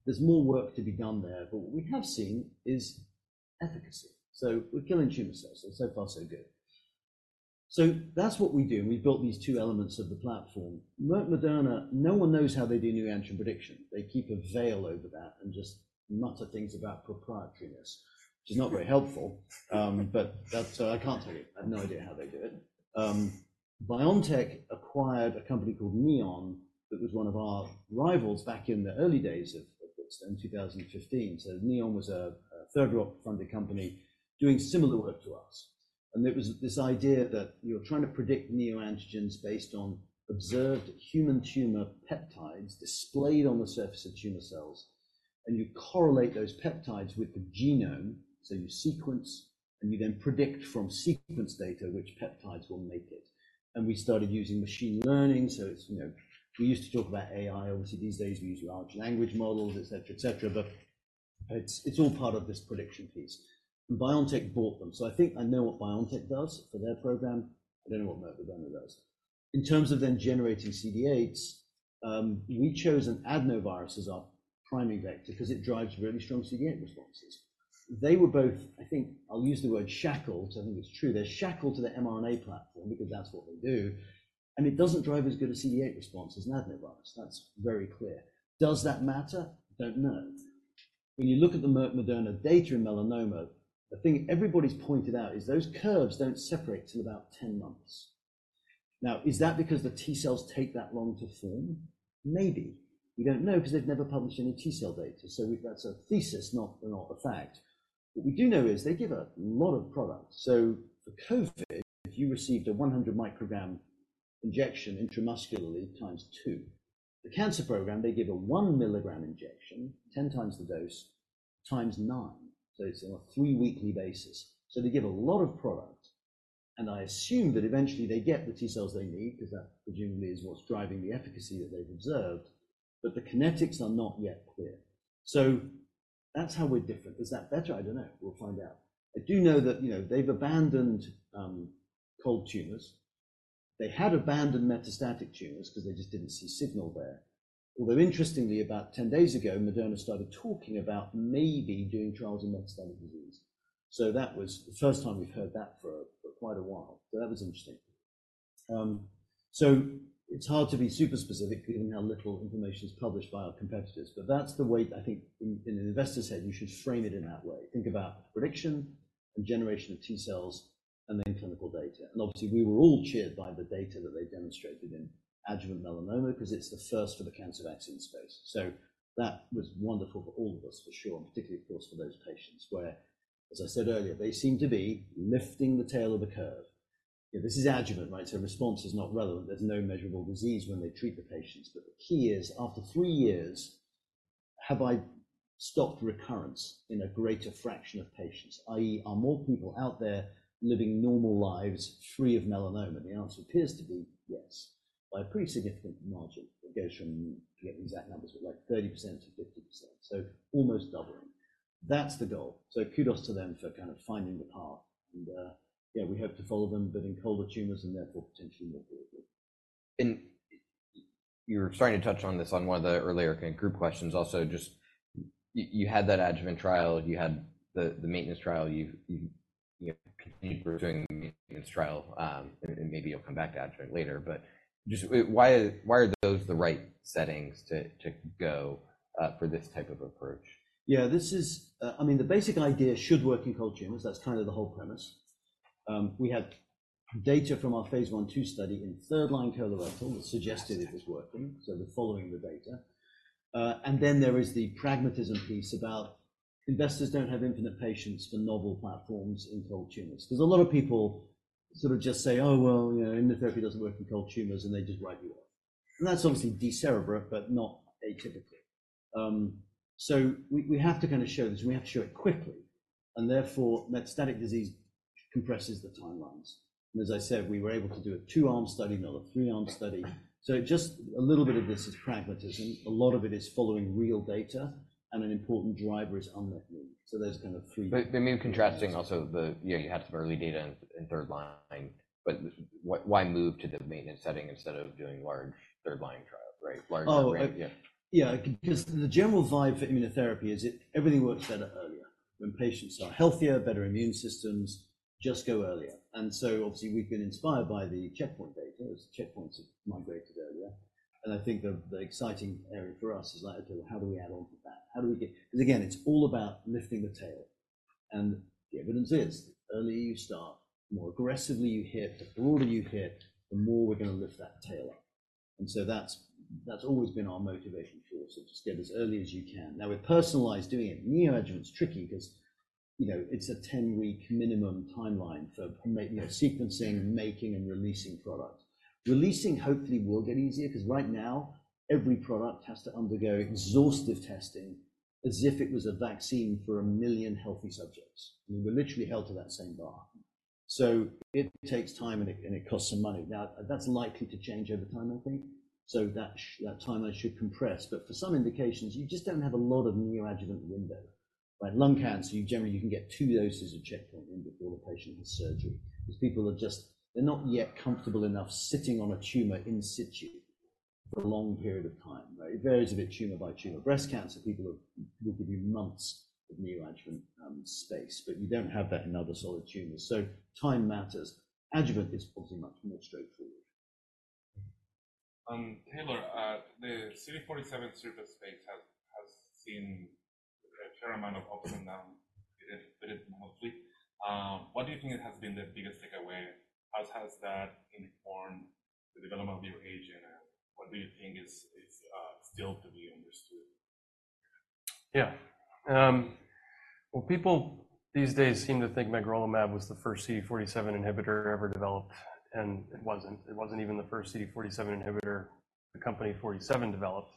There's more work to be done there. What we have seen is efficacy. We're killing tumor cells. So far, so good. That's what we do. We've built these two elements of the platform. Moderna no one knows how they do neoantigen prediction. They keep a veil over that and just mutter things about proprietariness, which is not very helpful. But I can't tell you. I have no idea how they do it. BioNTech acquired a company called NEON that was one of our rivals back in the early days of Gritstone, 2015. So NEON was a third-round funded company doing similar work to us. And there was this idea that you're trying to predict neoantigens based on observed human tumor peptides displayed on the surface of tumor cells. And you correlate those peptides with the genome. So you sequence. And you then predict from sequence data which peptides will make it. And we started using machine learning. So we used to talk about AI. Obviously, these days, we use large language models, et cetera, et cetera. But it's all part of this prediction piece. And BioNTech bought them. So I think I know what BioNTech does for their program. I don't know what Moderna does. In terms of then generating CD8s, we chose an adenovirus as our priming vector because it drives really strong CD8 responses. They were both, I think I'll use the word shackled. I think it's true. They're shackled to the mRNA platform because that's what they do. And it doesn't drive as good a CD8 response as an adenovirus. That's very clear. Does that matter? Don't know. When you look at the Moderna data in melanoma, the thing everybody's pointed out is those curves don't separate till about 10 months. Now, is that because the T cells take that long to form? Maybe. We don't know because they've never published any T cell data. So that's a thesis, not a fact. What we do know is they give a lot of product. So for COVID, if you received a 100 microgram injection intramuscularly times two, the cancer program, they give a 1 milligram injection, 10 times the dose, times nine. So it's on a three-weekly basis. So they give a lot of product. And I assume that eventually, they get the T cells they need because that presumably is what's driving the efficacy that they've observed. But the kinetics are not yet clear. So that's how we're different. Is that better? I don't know. We'll find out. I do know that they've abandoned cold tumors. They had abandoned metastatic tumors because they just didn't see signal there. Although interestingly, about 10 days ago, Moderna started talking about maybe doing trials in metastatic disease. That was the first time we've heard that for quite a while. That was interesting. It's hard to be super specific, given how little information is published by our competitors. But that's the way that I think, in an investor's head, you should frame it in that way. Think about prediction and generation of T cells and then clinical data. Obviously, we were all cheered by the data that they demonstrated in adjuvant melanoma because it's the first for the cancer vaccine space. That was wonderful for all of us, for sure, and particularly, of course, for those patients where, as I said earlier, they seem to be lifting the tail of the curve. This is adjuvant, right? Response is not relevant. There's no measurable disease when they treat the patients. But the key is, after three years, have I stopped recurrence in a greater fraction of patients, i.e., are more people out there living normal lives free of melanoma? The answer appears to be yes, by a pretty significant margin. It goes from 30%-50%, so almost doubling. That's the goal. So kudos to them for kind of finding the path. And yeah, we hope to follow them, but in colder tumors and therefore potentially more globally. You were starting to touch on this on one of the earlier kind of group questions also. Just you had that adjuvant trial. You had the maintenance trial. You've continued doing the maintenance trial. And maybe you'll come back to adjuvant later. But just why are those the right settings to go for this type of approach? Yeah. I mean, the basic idea should work in cold tumors. That's kind of the whole premise. We had data from our phase I/II study in third-line colorectal that suggested it was working. So we're following the data. And then there is the pragmatism piece about investors don't have infinite patience for novel platforms in cold tumors because a lot of people sort of just say, oh, well, immunotherapy doesn't work in cold tumors. And they just write you off. And that's obviously decerebrate, but not atypical. So we have to kind of show this. And we have to show it quickly. And therefore, metastatic disease compresses the timelines. And as I said, we were able to do a two-arm study, not a three-arm study. So just a little bit of this is pragmatism. A lot of it is following real data. And an important driver is unmet needs. So there's kind of three. But maybe contrasting also, you had some early data in third line. But why move to the maintenance setting instead of doing large third-line trials, right? Larger range. Oh, yeah. Yeah. Because the general vibe for immunotherapy is everything works better earlier. When patients are healthier, better immune systems just go earlier. And so obviously, we've been inspired by the checkpoint data. The checkpoints have migrated earlier. And I think the exciting area for us is like, OK, well, how do we add on to that? How do we get, because again, it's all about lifting the tail. And the evidence is, the earlier you start, the more aggressively you hit, the broader you hit, the more we're going to lift that tail up. And so that's always been our motivation for us, is just get as early as you can. Now, with personalized doing it, neoadjuvant's tricky because it's a 10-week minimum timeline for sequencing, making, and releasing products. Releasing, hopefully, will get easier because right now, every product has to undergo exhaustive testing as if it was a vaccine for 1 million healthy subjects. We're literally held to that same bar. It takes time. It costs some money. Now, that's likely to change over time, I think. That timeline should compress. For some indications, you just don't have a lot of neoadjuvant window, right? Lung cancer, generally, you can get two doses of checkpoint in before the patient has surgery because people are just they're not yet comfortable enough sitting on a tumor in situ for a long period of time, right? It varies a bit tumor by tumor. Breast cancer, people will give you months of neoadjuvant space. You don't have that in other solid tumors. Time matters. Adjuvant is obviously much more straightforward. Taylor, the CD47 surface space has seen a fair amount of ups and downs with it mostly. What do you think has been the biggest takeaway? How has that informed the development of your agent? And what do you think is still to be understood? Yeah. Well, people these days seem to think magrolimab was the first CD47 inhibitor ever developed. And it wasn't. It wasn't even the first CD47 inhibitor Forty Seven developed.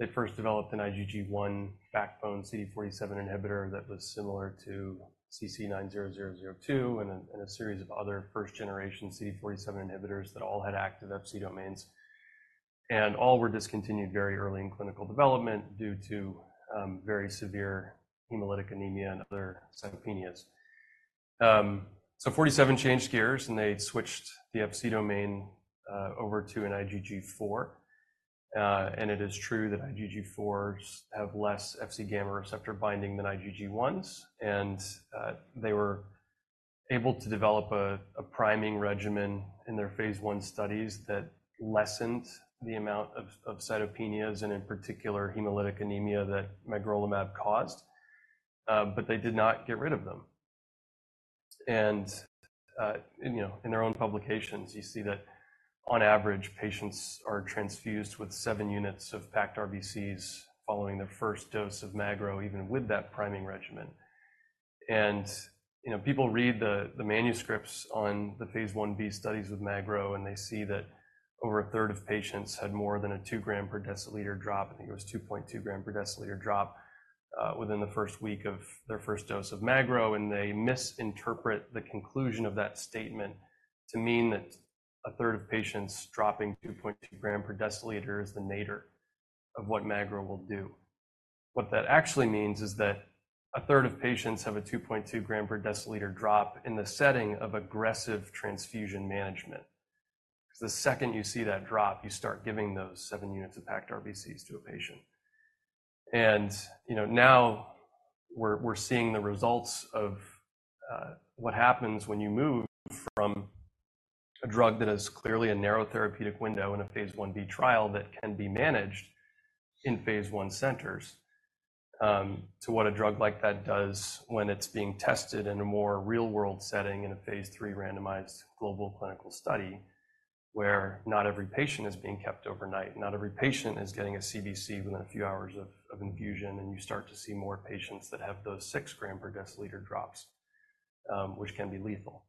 They first developed an IgG1 backbone CD47 inhibitor that was similar to CC-90002 and a series of other first-generation CD47 inhibitors that all had active Fc domains. And all were discontinued very early in clinical development due to very severe hemolytic anemia and other cytopenias. So Forty Seven changed gears. And they switched the Fc domain over to an IgG4. And it is true that IgG4s have less Fc gamma receptor binding than IgG1s. And they were able to develop a priming regimen in their phase I studies that lessened the amount of cytopenias and, in particular, hemolytic anemia that magrolimab caused. But they did not get rid of them. In their own publications, you see that, on average, patients are transfused with 7 units of packed RBCs following their first dose of magrolimab, even with that priming regimen. People read the manuscripts on the phase I/B studies with magrolimab. They see that over a third of patients had more than a 2 g/dL drop. I think it was a 2.2 g/dL drop within the first week of their first dose of magrolimab. They misinterpret the conclusion of that statement to mean that a third of patients dropping 2.2 g/dL is the nadir of what magrolimab will do. What that actually means is that a third of patients have a 2.2 g/dL drop in the setting of aggressive transfusion management because the second you see that drop, you start giving those 7 units of packed RBCs to a patient. And now, we're seeing the results of what happens when you move from a drug that is clearly a narrow therapeutic window in a phase I/B trial that can be managed in phase I centers to what a drug like that does when it's being tested in a more real-world setting in a phase III randomized global clinical study where not every patient is being kept overnight, not every patient is getting a CBC within a few hours of infusion. And you start to see more patients that have those 6 g/dL drops, which can be lethal.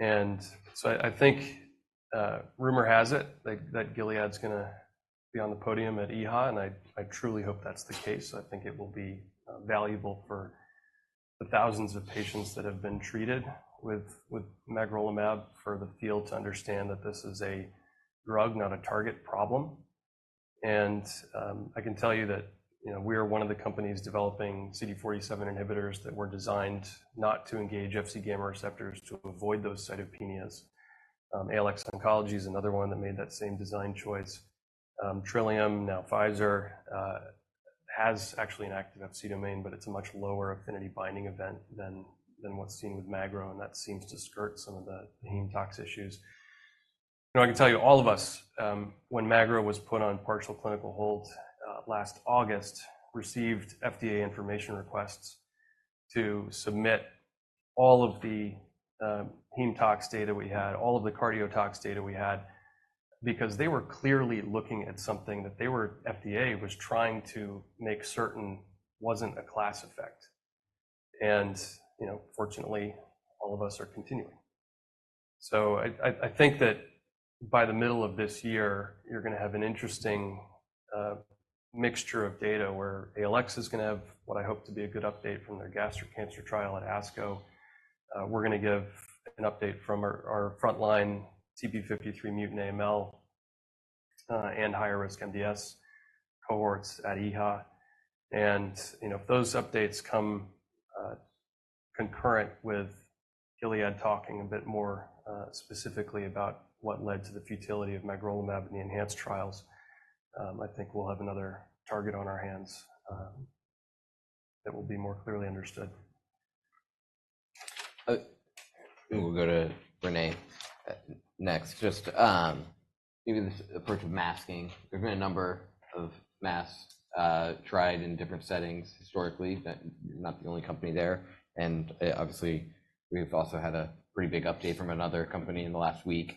So I think rumor has it that Gilead's going to be on the podium at EHA. And I truly hope that's the case. I think it will be valuable for the thousands of patients that have been treated with magrolimab for the field to understand that this is a drug, not a target problem. And I can tell you that we are one of the companies developing CD47 inhibitors that were designed not to engage Fc gamma receptors to avoid those cytopenias. ALX Oncology is another one that made that same design choice. Trillium, now Pfizer, has actually an active FC domain. But it's a much lower affinity binding event than what's seen with magro. And that seems to skirt some of the heme tox issues. I can tell you, all of us, when magrolimab was put on partial clinical hold last August, received FDA information requests to submit all of the heme tox data we had, all of the cardiotox data we had because they were clearly looking at something that FDA was trying to make certain wasn't a class effect. Fortunately, all of us are continuing. I think that, by the middle of this year, you're going to have an interesting mixture of data where ALX is going to have what I hope to be a good update from their gastric cancer trial at ASCO. We're going to give an update from our frontline TP53 mutant AML and higher risk MDS cohorts at EHA. If those updates come concurrent with Gilead talking a bit more specifically about what led to the futility of magrolimab and the ENHANCE trials, I think we'll have another target on our hands that will be more clearly understood. We'll go to René next, just maybe this approach of masking. There's been a number of masks tried in different settings historically. You're not the only company there. And obviously, we've also had a pretty big update from another company in the last week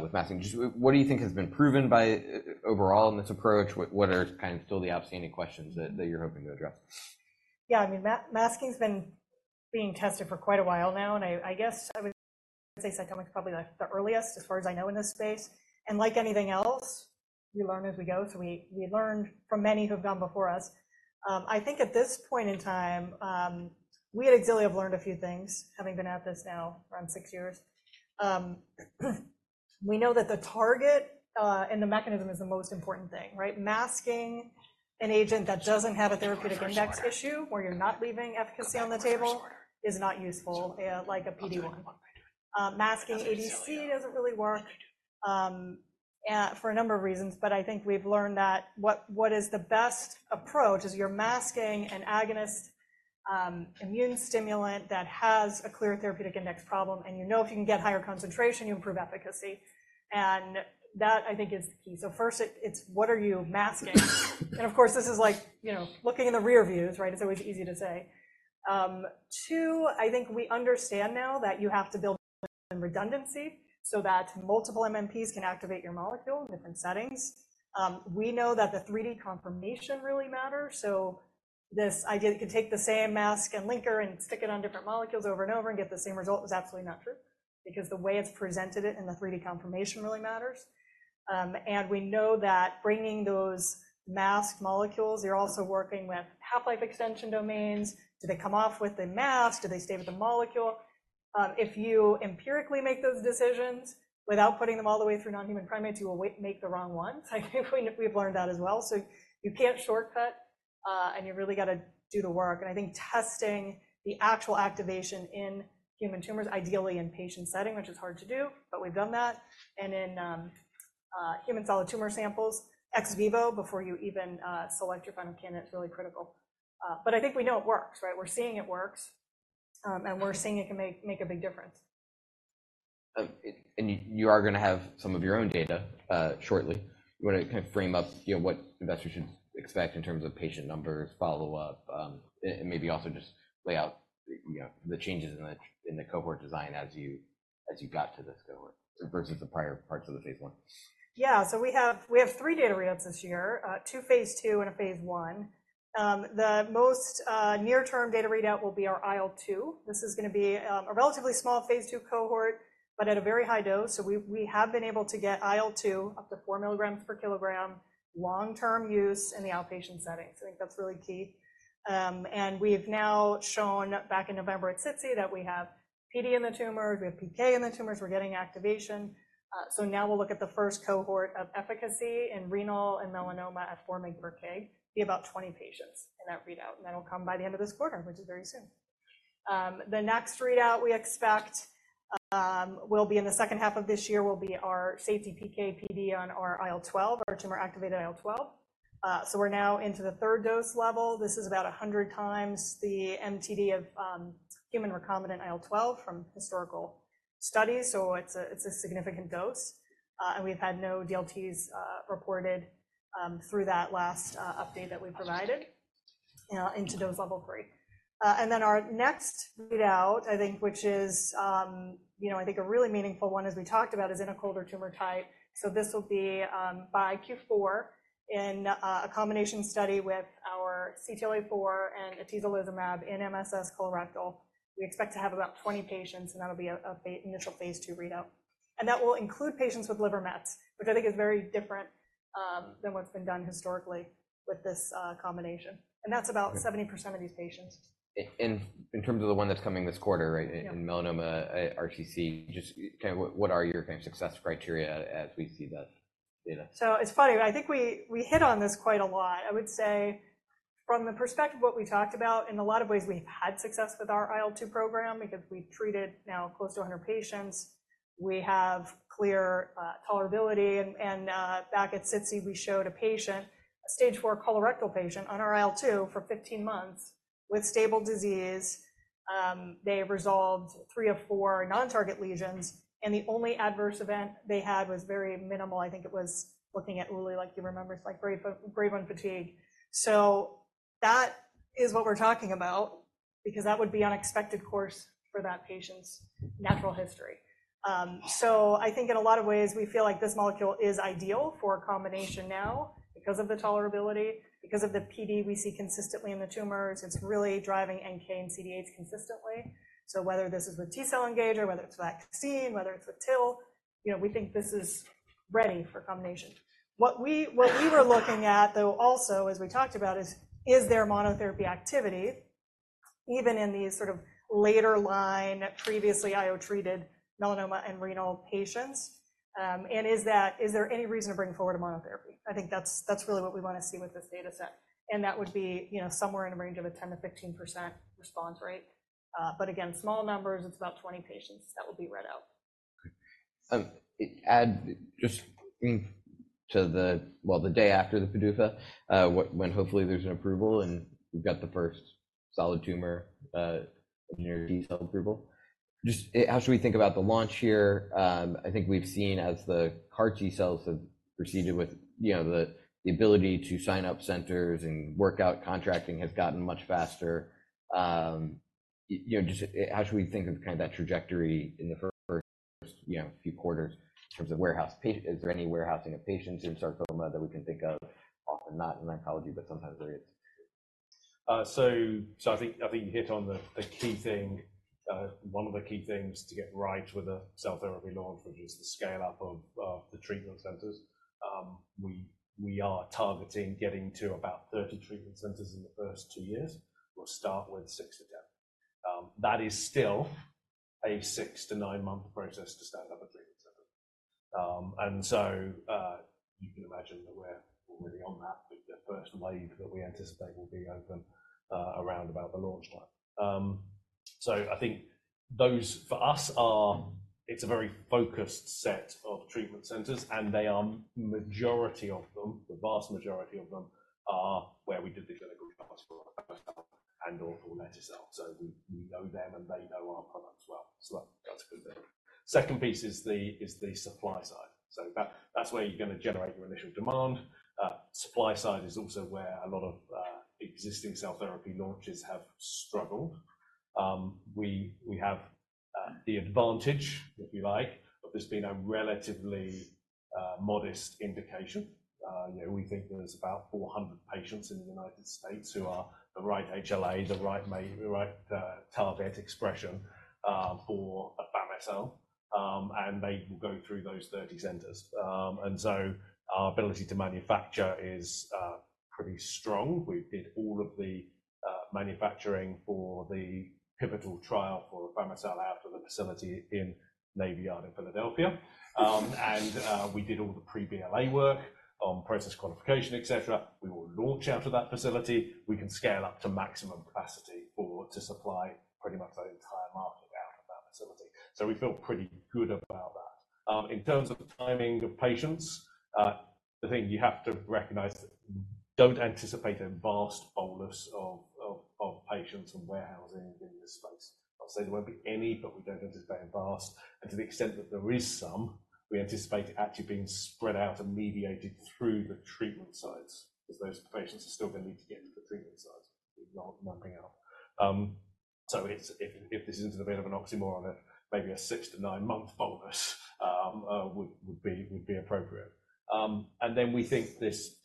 with masking. What do you think has been proven overall in this approach? What are kind of still the outstanding questions that you're hoping to address? Yeah. I mean, masking's been being tested for quite a while now. I guess I would say CytomX is probably the earliest, as far as I know, in this space. Like anything else, we learn as we go. So we learned from many who've gone before us. I think, at this point in time, we at Xilio have learned a few things, having been at this now around six years. We know that the target and the mechanism is the most important thing, right? Masking an agent that doesn't have a therapeutic index issue, where you're not leaving efficacy on the table, is not useful, like a PD-1. Masking ADC doesn't really work for a number of reasons. But I think we've learned that what is the best approach is you're masking an agonist immune stimulant that has a clear therapeutic index problem. And you know if you can get higher concentration, you improve efficacy. And that, I think, is the key. So first, it's what are you masking? And of course, this is like looking in the rearviews, right? It's always easy to say. Two, I think we understand now that you have to build redundancy so that multiple MMPs can activate your molecule in different settings. We know that the 3D conformation really matters. So this idea that you could take the same mask and linker and stick it on different molecules over and over and get the same result is absolutely not true because the way it's presented in the 3D conformation really matters. And we know that bringing those masked molecules, you're also working with half-life extension domains. Do they come off with the mask? Do they stay with the molecule? If you empirically make those decisions without putting them all the way through non-human primates, you will make the wrong ones. I think we've learned that as well. So you can't shortcut. And you really got to do the work. And I think testing the actual activation in human tumors, ideally in patient setting, which is hard to do. But we've done that. And in human solid tumor samples, ex vivo before you even select your final candidate, it's really critical. But I think we know it works, right? We're seeing it works. And we're seeing it can make a big difference. You are going to have some of your own data shortly. You want to kind of frame up what investors should expect in terms of patient numbers, follow-up, and maybe also just lay out the changes in the cohort design as you got to this cohort versus the prior parts of the phase I? Yeah. So we have three data readouts this year, two phase II and a phase I. The most near-term data readout will be our IL-2. This is going to be a relatively small phase II cohort but at a very high dose. So we have been able to get IL-2, up to 4 mg/kg, long-term use in the outpatient setting. So I think that's really key. And we have now shown, back in November at SITC, that we have PD in the tumors. We have PK in the tumors. We're getting activation. So now, we'll look at the first cohort of efficacy in renal and melanoma at 4 mcg /kg, be about 20 patients in that readout. And that'll come by the end of this quarter, which is very soon. The next readout we expect will be in the second half of this year, will be our safety PK/PD on our IL-12, our tumor-activated IL-12. So we're now into the 3rd dose level. This is about 100 times the MTD of human recombinant IL-12 from historical studies. So it's a significant dose. And we've had no DLTs reported through that last update that we provided into dose level 3. And then our next readout, I think, which is, I think, a really meaningful one, as we talked about, is in a colder tumor type. So this will be by Q4 in a combination study with our CTLA-4 and atezolizumab in MSS colorectal. We expect to have about 20 patients. And that'll be an initial phase II readout. And that will include patients with liver mets, which I think is very different than what's been done historically with this combination. That's about 70% of these patients. In terms of the one that's coming this quarter, right, in melanoma RCC, just kind of what are your kind of success criteria as we see that data? So it's funny. I think we hit on this quite a lot. I would say, from the perspective of what we talked about, in a lot of ways, we've had success with our IL-2 program because we've treated now close to 100 patients. We have clear tolerability. And back at SITC, we showed a patient, a stage IV colorectal patient, on our IL-2 for 15 months with stable disease. They resolved 3 of 4 non-target lesions. And the only adverse event they had was very minimal. I think it was looking at ILI, like you remember, it's like grade 1 fatigue. So that is what we're talking about because that would be unexpected course for that patient's natural history. So I think, in a lot of ways, we feel like this molecule is ideal for a combination now because of the tolerability, because of the PD we see consistently in the tumors. It's really driving NK and CD8s consistently. So whether this is with T-cell engager, whether it's vaccine, whether it's with TIL, we think this is ready for combination. What we were looking at, though, also, as we talked about, is, is there monotherapy activity, even in these sort of later line, previously IO treated melanoma and renal patients? And is there any reason to bring forward a monotherapy? I think that's really what we want to see with this data set. And that would be somewhere in the range of a 10%-15% response rate. But again, small numbers. It's about 20 patients that will be read out. And just to the, well, the day after the PDUFA, when, hopefully, there's an approval and we've got the first solid tumor T-cell approval, just how should we think about the launch here? I think we've seen, as the CAR T cells have proceeded with the ability to sign up centers and work out contracting has gotten much faster, just how should we think of kind of that trajectory in the first few quarters in terms of warehousing? Is there any warehousing of patients in sarcoma that we can think of? Often not in oncology. But sometimes, there is. So I think you hit on the key thing, one of the key things to get right with a cell therapy launch, which is the scale-up of the treatment centers. We are targeting getting to about 30 treatment centers in the first two years. We'll start with six months-10 months. That is still a six months-nine months process to stand up a treatment center. And so you can imagine that we're already on that. The first wave that we anticipate will be open around about the launch time. So I think those, for us, are it's a very focused set of treatment centers. And the majority of them, the vast majority of them, are where we did the clinical trials for our cell and/or for metastasis. So we know them. And they know our products well. So that's a good thing. Second piece is the supply side. So that's where you're going to generate your initial demand. Supply side is also where a lot of existing cell therapy launches have struggled. We have the advantage, if you like, of this being a relatively modest indication. We think there's about 400 patients in the United States who are the right HLA, the right target expression for afami-cel. And they will go through those 30 centers. And so our ability to manufacture is pretty strong. We did all of the manufacturing for the pivotal trial for afami-cel out of the facility in Navy Yard, Philadelphia. And we did all the pre-BLA work on process qualification, et cetera. We will launch out of that facility. We can scale up to maximum capacity to supply pretty much the entire market out of that facility. So we feel pretty good about that. In terms of timing of patients, the thing you have to recognize is don't anticipate a vast bolus of patients and warehousing in this space. I'll say there won't be any. But we don't anticipate a vast. And to the extent that there is some, we anticipate it actually being spread out and mediated through the treatment sites because those patients are still going to need to get to the treatment sites, not mapping out. So if this isn't a bit of an oxymoron, maybe a six months-nine months bolus would be appropriate. And then we think this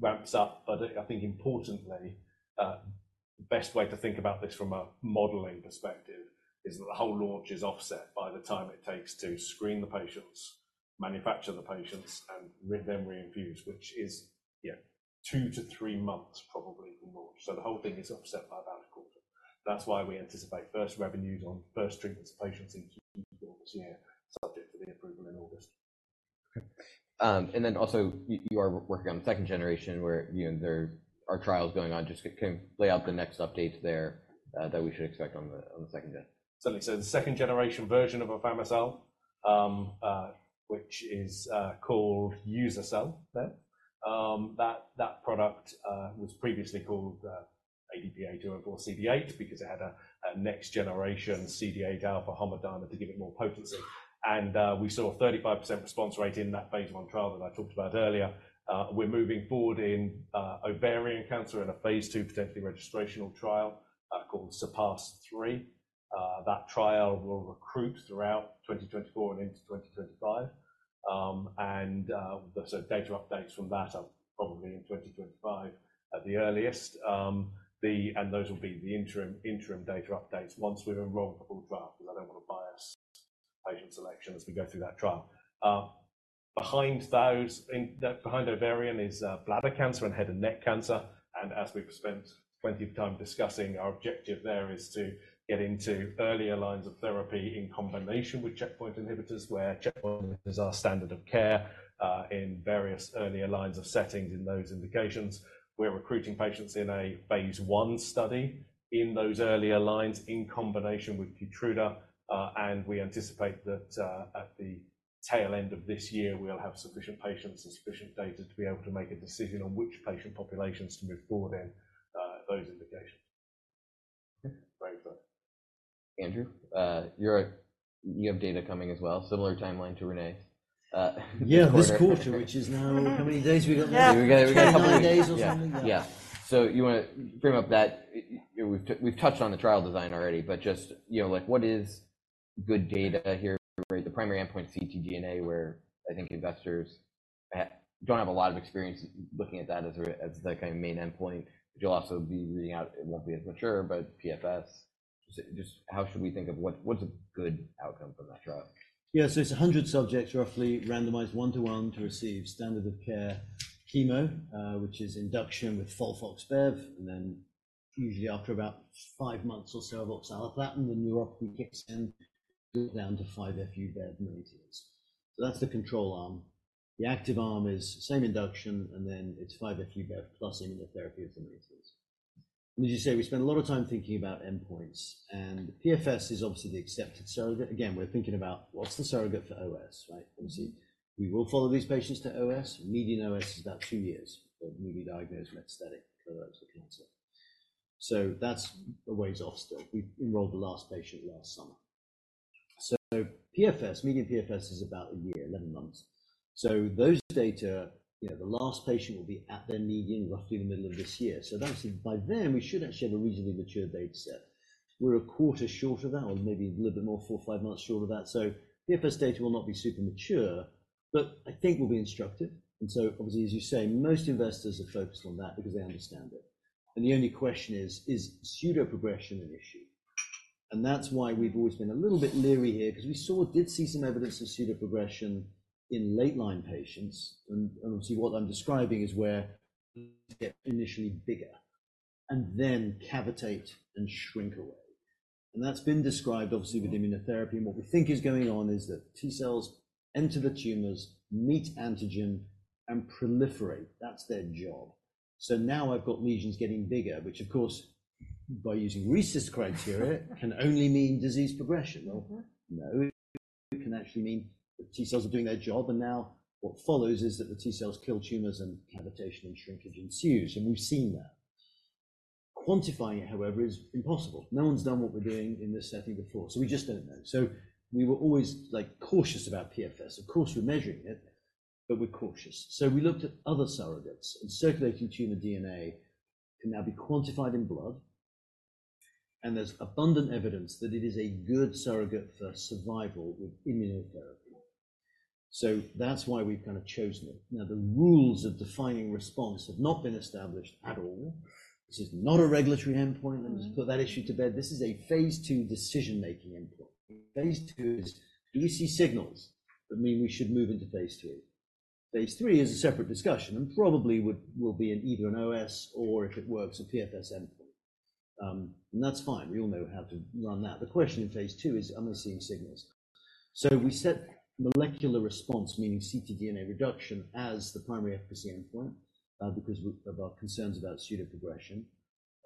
ramps up. But I think, importantly, the best way to think about this from a modeling perspective is that the whole launch is offset by the time it takes to screen the patients, manufacture the patients, and then reinfuse, which is two months-three months, probably, from launch. So the whole thing is offset by about a quarter. That's why we anticipate first revenues on first treatments of patients in Q4 this year, subject to the approval in August. Okay. And then also, you are working on the second generation, where there are trials going on. Just kind of lay out the next updates there that we should expect on the second day. Certainly. So the second generation version of afami-cel, which is called uza-cel there, that product was previously called ADP-A2M4CD8 because it had a next generation CD8 alpha homodimer to give it more potency. And we saw a 35% response rate in that phase I trial that I talked about earlier. We're moving forward in ovarian cancer in a phase II, potentially registrational trial called SURPASS-3. That trial will recruit throughout 2024 and into 2025. And so data updates from that are probably in 2025 at the earliest. And those will be the interim data updates once we've enrolled the full trial because I don't want to bias patient selection as we go through that trial. Behind ovarian is bladder cancer and head and neck cancer. As we've spent plenty of time discussing, our objective there is to get into earlier lines of therapy in combination with checkpoint inhibitors, where checkpoints are standard of care in various earlier lines of settings in those indications. We're recruiting patients in a phase I study in those earlier lines in combination with Keytruda. We anticipate that, at the tail end of this year, we'll have sufficient patients and sufficient data to be able to make a decision on which patient populations to move forward in those indications. Okay. Very good. Andrew, you have data coming as well, similar timeline to René's. Yeah. This quarter, which is now how many days we got left? We got a couple of days or something? Yeah. Yeah. So you want to frame up that. We've touched on the trial design already. But just what is good data here? The primary endpoint, ctDNA, where I think investors don't have a lot of experience looking at that as the kind of main endpoint, but you'll also be reading out; it won't be as mature, but PFS, just how should we think of what's a good outcome from that trial? Yeah. So it's 100 subjects, roughly randomized one-one to receive standard-of-care chemo, which is induction with FOLFOX-BEV. And then, usually, after about 5 months or so of oxaliplatin, the neuropathy kicks in down to 5-FU-BEV maintenance. So that's the control arm. The active arm is same induction. And then it's 5-FU-BEV plus immunotherapy maintenance. And as you say, we spend a lot of time thinking about endpoints. And PFS is obviously the accepted surrogate. Again, we're thinking about, what's the surrogate for OS, right? Obviously, we will follow these patients to OS. Median OS is about two years for newly diagnosed metastatic colorectal cancer. So that's a ways off still. We enrolled the last patient last summer. So median PFS is about a year, 11 months. So those data, the last patient will be at their median roughly in the middle of this year. So obviously, by then, we should actually have a reasonably mature data set. We're a quarter short of that or maybe a little bit more, four of five months short of that. So PFS data will not be super mature. But I think we'll be instructive. And so, obviously, as you say, most investors are focused on that because they understand it. And the only question is, is pseudoprogression an issue? And that's why we've always been a little bit leery here because we did see some evidence of pseudoprogression in late-line patients. And obviously, what I'm describing is where they get initially bigger and then cavitate and shrink away. And that's been described, obviously, with immunotherapy. And what we think is going on is that T cells enter the tumors, meet antigen, and proliferate. That's their job. So now, I've got lesions getting bigger, which, of course, by using RECIST criteria, can only mean disease progression. Well, no. It can actually mean the T cells are doing their job. And now, what follows is that the T cells kill tumors. And cavitation and shrinkage ensues. And we've seen that. Quantifying it, however, is impossible. No one's done what we're doing in this setting before. So we just don't know. So we were always cautious about PFS. Of course, we're measuring it. But we're cautious. So we looked at other surrogates. And circulating tumor DNA can now be quantified in blood. And there's abundant evidence that it is a good surrogate for survival with immunotherapy. So that's why we've kind of chosen it. Now, the rules of defining response have not been established at all. This is not a regulatory endpoint. Let me just put that issue to bed. This is a phase II decision-making endpoint. Phase II is, do we see signals that mean we should move into phase III? Phase III is a separate discussion and probably will be either an OS or, if it works, a PFS endpoint. And that's fine. We all know how to run that. The question in phase II is, are we seeing signals? So we set molecular response, meaning ctDNA reduction, as the primary efficacy endpoint because of our concerns about pseudoprogression.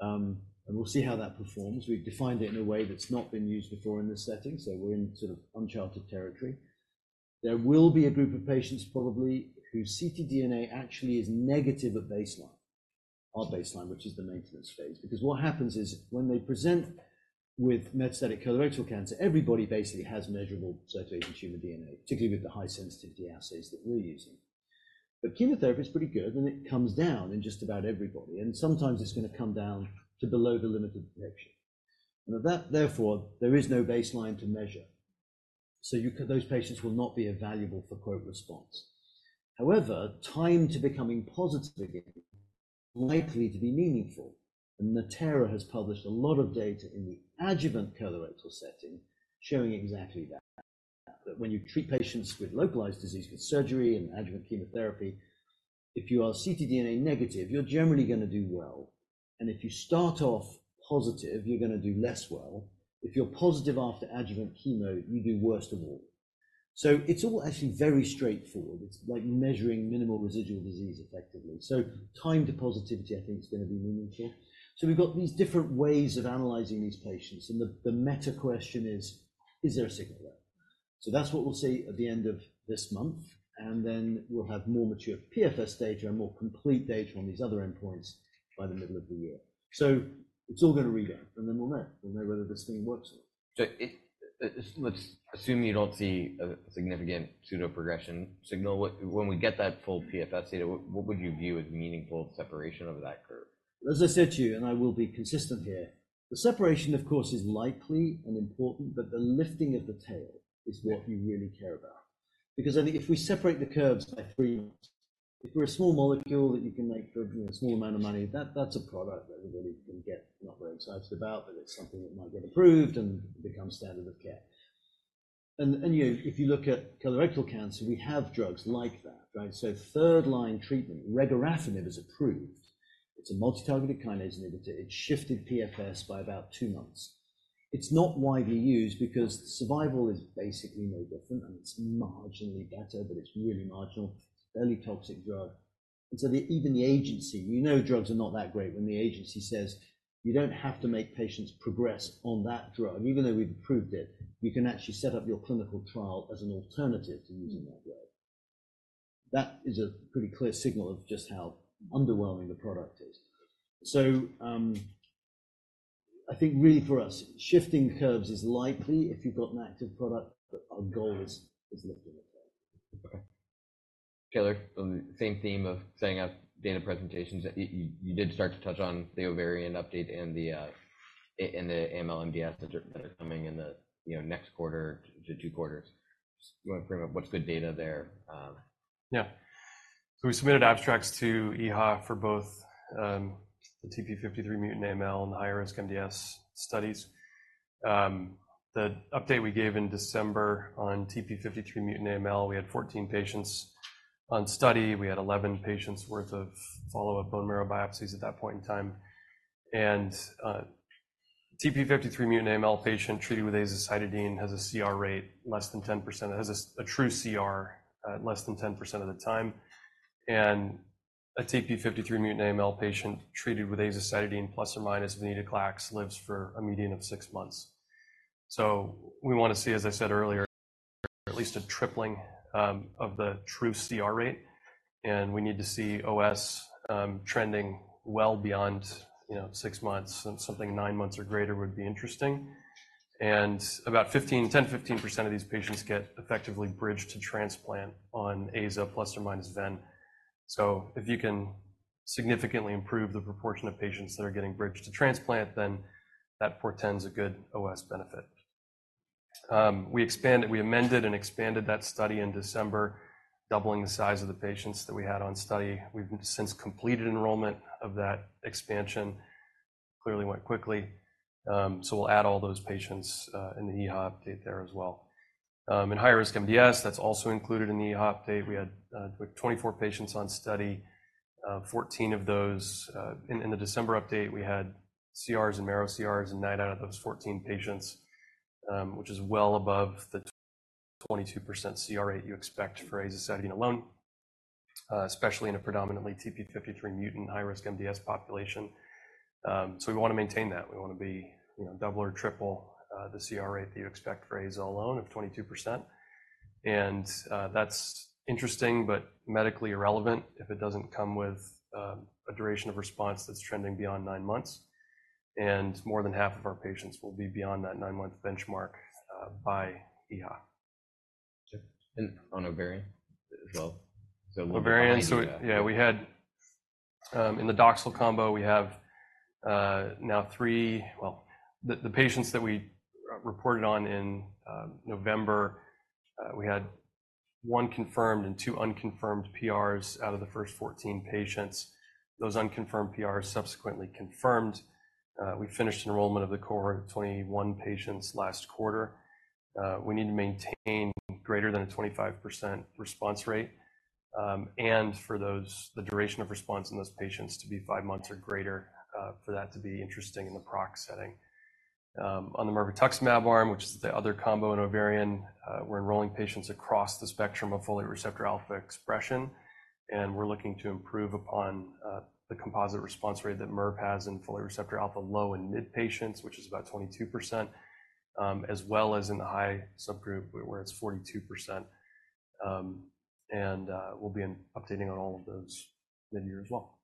And we'll see how that performs. We've defined it in a way that's not been used before in this setting. So we're in sort of uncharted territory. There will be a group of patients, probably, whose ctDNA actually is negative at baseline, our baseline, which is the maintenance phase. Because what happens is, when they present with metastatic colorectal cancer, everybody basically has measurable circulating tumor DNA, particularly with the high-sensitivity assays that we're using. But chemotherapy is pretty good. And it comes down in just about everybody. And sometimes, it's going to come down to below the limit of detection. And therefore, there is no baseline to measure. So those patients will not be evaluable for response. However, time to becoming positive again is likely to be meaningful. And Natera has published a lot of data in the adjuvant colorectal setting showing exactly that, that when you treat patients with localized disease with surgery and adjuvant chemotherapy, if you are ctDNA negative, you're generally going to do well. And if you start off positive, you're going to do less well. If you're positive after adjuvant chemo, you do worst of all. So it's all actually very straightforward. It's like measuring minimal residual disease, effectively. So time to positivity, I think, is going to be meaningful. So we've got these different ways of analyzing these patients. And the meta question is, is there a signal there? So that's what we'll see at the end of this month. And then we'll have more mature PFS data and more complete data on these other endpoints by the middle of the year. So it's all going to rebound. And then we'll know. We'll know whether this thing works or not. So let's assume you don't see a significant pseudoprogression signal. When we get that full PFS data, what would you view as meaningful separation over that curve? As I said to you, and I will be consistent here, the separation, of course, is likely and important. But the lifting of the tail is what you really care about because, I think, if we separate the curves by three months, if we're a small molecule that you can make for a small amount of money, that's a product that everybody can get. I'm not very excited about. But it's something that might get approved and become standard of care. And if you look at colorectal cancer, we have drugs like that, right? So third-line treatment, regorafenib, is approved. It's a multitargeted kinase inhibitor. It shifted PFS by about two months. It's not widely used because survival is basically no different. And it's marginally better. But it's really marginal. It's a fairly toxic drug. Even the agency, you know, drugs are not that great when the agency says, you don't have to make patients progress on that drug. Even though we've approved it, you can actually set up your clinical trial as an alternative to using that drug. That is a pretty clear signal of just how underwhelming the product is. I think, really, for us, shifting curves is likely if you've got an active product. But our goal is lifting the tail. Okay. Taylor, on the same theme of setting up data presentations, you did start to touch on the ovarian update and the AML/MDS that are coming in the next quarter to two quarters. Just want to frame up what's good data there. Yeah. So we submitted abstracts to EHA for both the TP53 mutant AML and the higher-risk MDS studies. The update we gave in December on TP53 mutant AML, we had 14 patients on study. We had 11 patients' worth of follow-up bone marrow biopsies at that point in time. And TP53 mutant AML patient treated with azacitidine has a CR rate less than 10%. It has a true CR less than 10% of the time. And a TP53 mutant AML patient treated with azacitidine plus or minus venetoclax lives for a median of six months. So we want to see, as I said earlier, at least a tripling of the true CR rate. And we need to see OS trending well beyond 6 months. Something 9 months or greater would be interesting. About 10%-15% of these patients get effectively bridged to transplant on AZA plus or minus VEN. So if you can significantly improve the proportion of patients that are getting bridged to transplant, then that portends a good OS benefit. We amended and expanded that study in December, doubling the size of the patients that we had on study. We've since completed enrollment of that expansion. Clearly, it went quickly. So we'll add all those patients in the EHA update there as well. Higher-risk MDS, that's also included in the EHA update. We had 24 patients on study, 14 of those in the December update. We had CRs and marrow CRs and 9 out of those 14 patients, which is well above the 22% CR rate you expect for azacitidine alone, especially in a predominantly TP53 mutant high-risk MDS population. So we want to maintain that. We want to be double or triple the CR rate that you expect for AZA alone of 22%. And that's interesting but medically irrelevant if it doesn't come with a duration of response that's trending beyond nine months. And more than half of our patients will be beyond that nine-month benchmark by EHA. On ovarian as well? Ovarian. So yeah. In the Doxil combo, we have now three, well, the patients that we reported on in November, we had one confirmed and two unconfirmed PRs out of the first 14 patients. Those unconfirmed PRs subsequently confirmed. We finished enrollment of the cohort of 21 patients last quarter. We need to maintain greater than a 25% response rate. And for the duration of response in those patients to be five months or greater, for that to be interesting in the PROC setting. On the mirvetuximab arm, which is the other combo in ovarian, we're enrolling patients across the spectrum of folate receptor alpha expression. And we're looking to improve upon the composite response rate that mirvetuximab has in folate receptor alpha low and mid patients, which is about 22%, as well as in the high subgroup, where it's 42%. We'll be updating on all of those mid-year as well.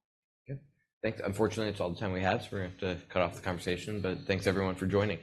Okay. Thanks. Unfortunately, it's all the time we have. So we're going to have to cut off the conversation. But thanks, everyone, for joining.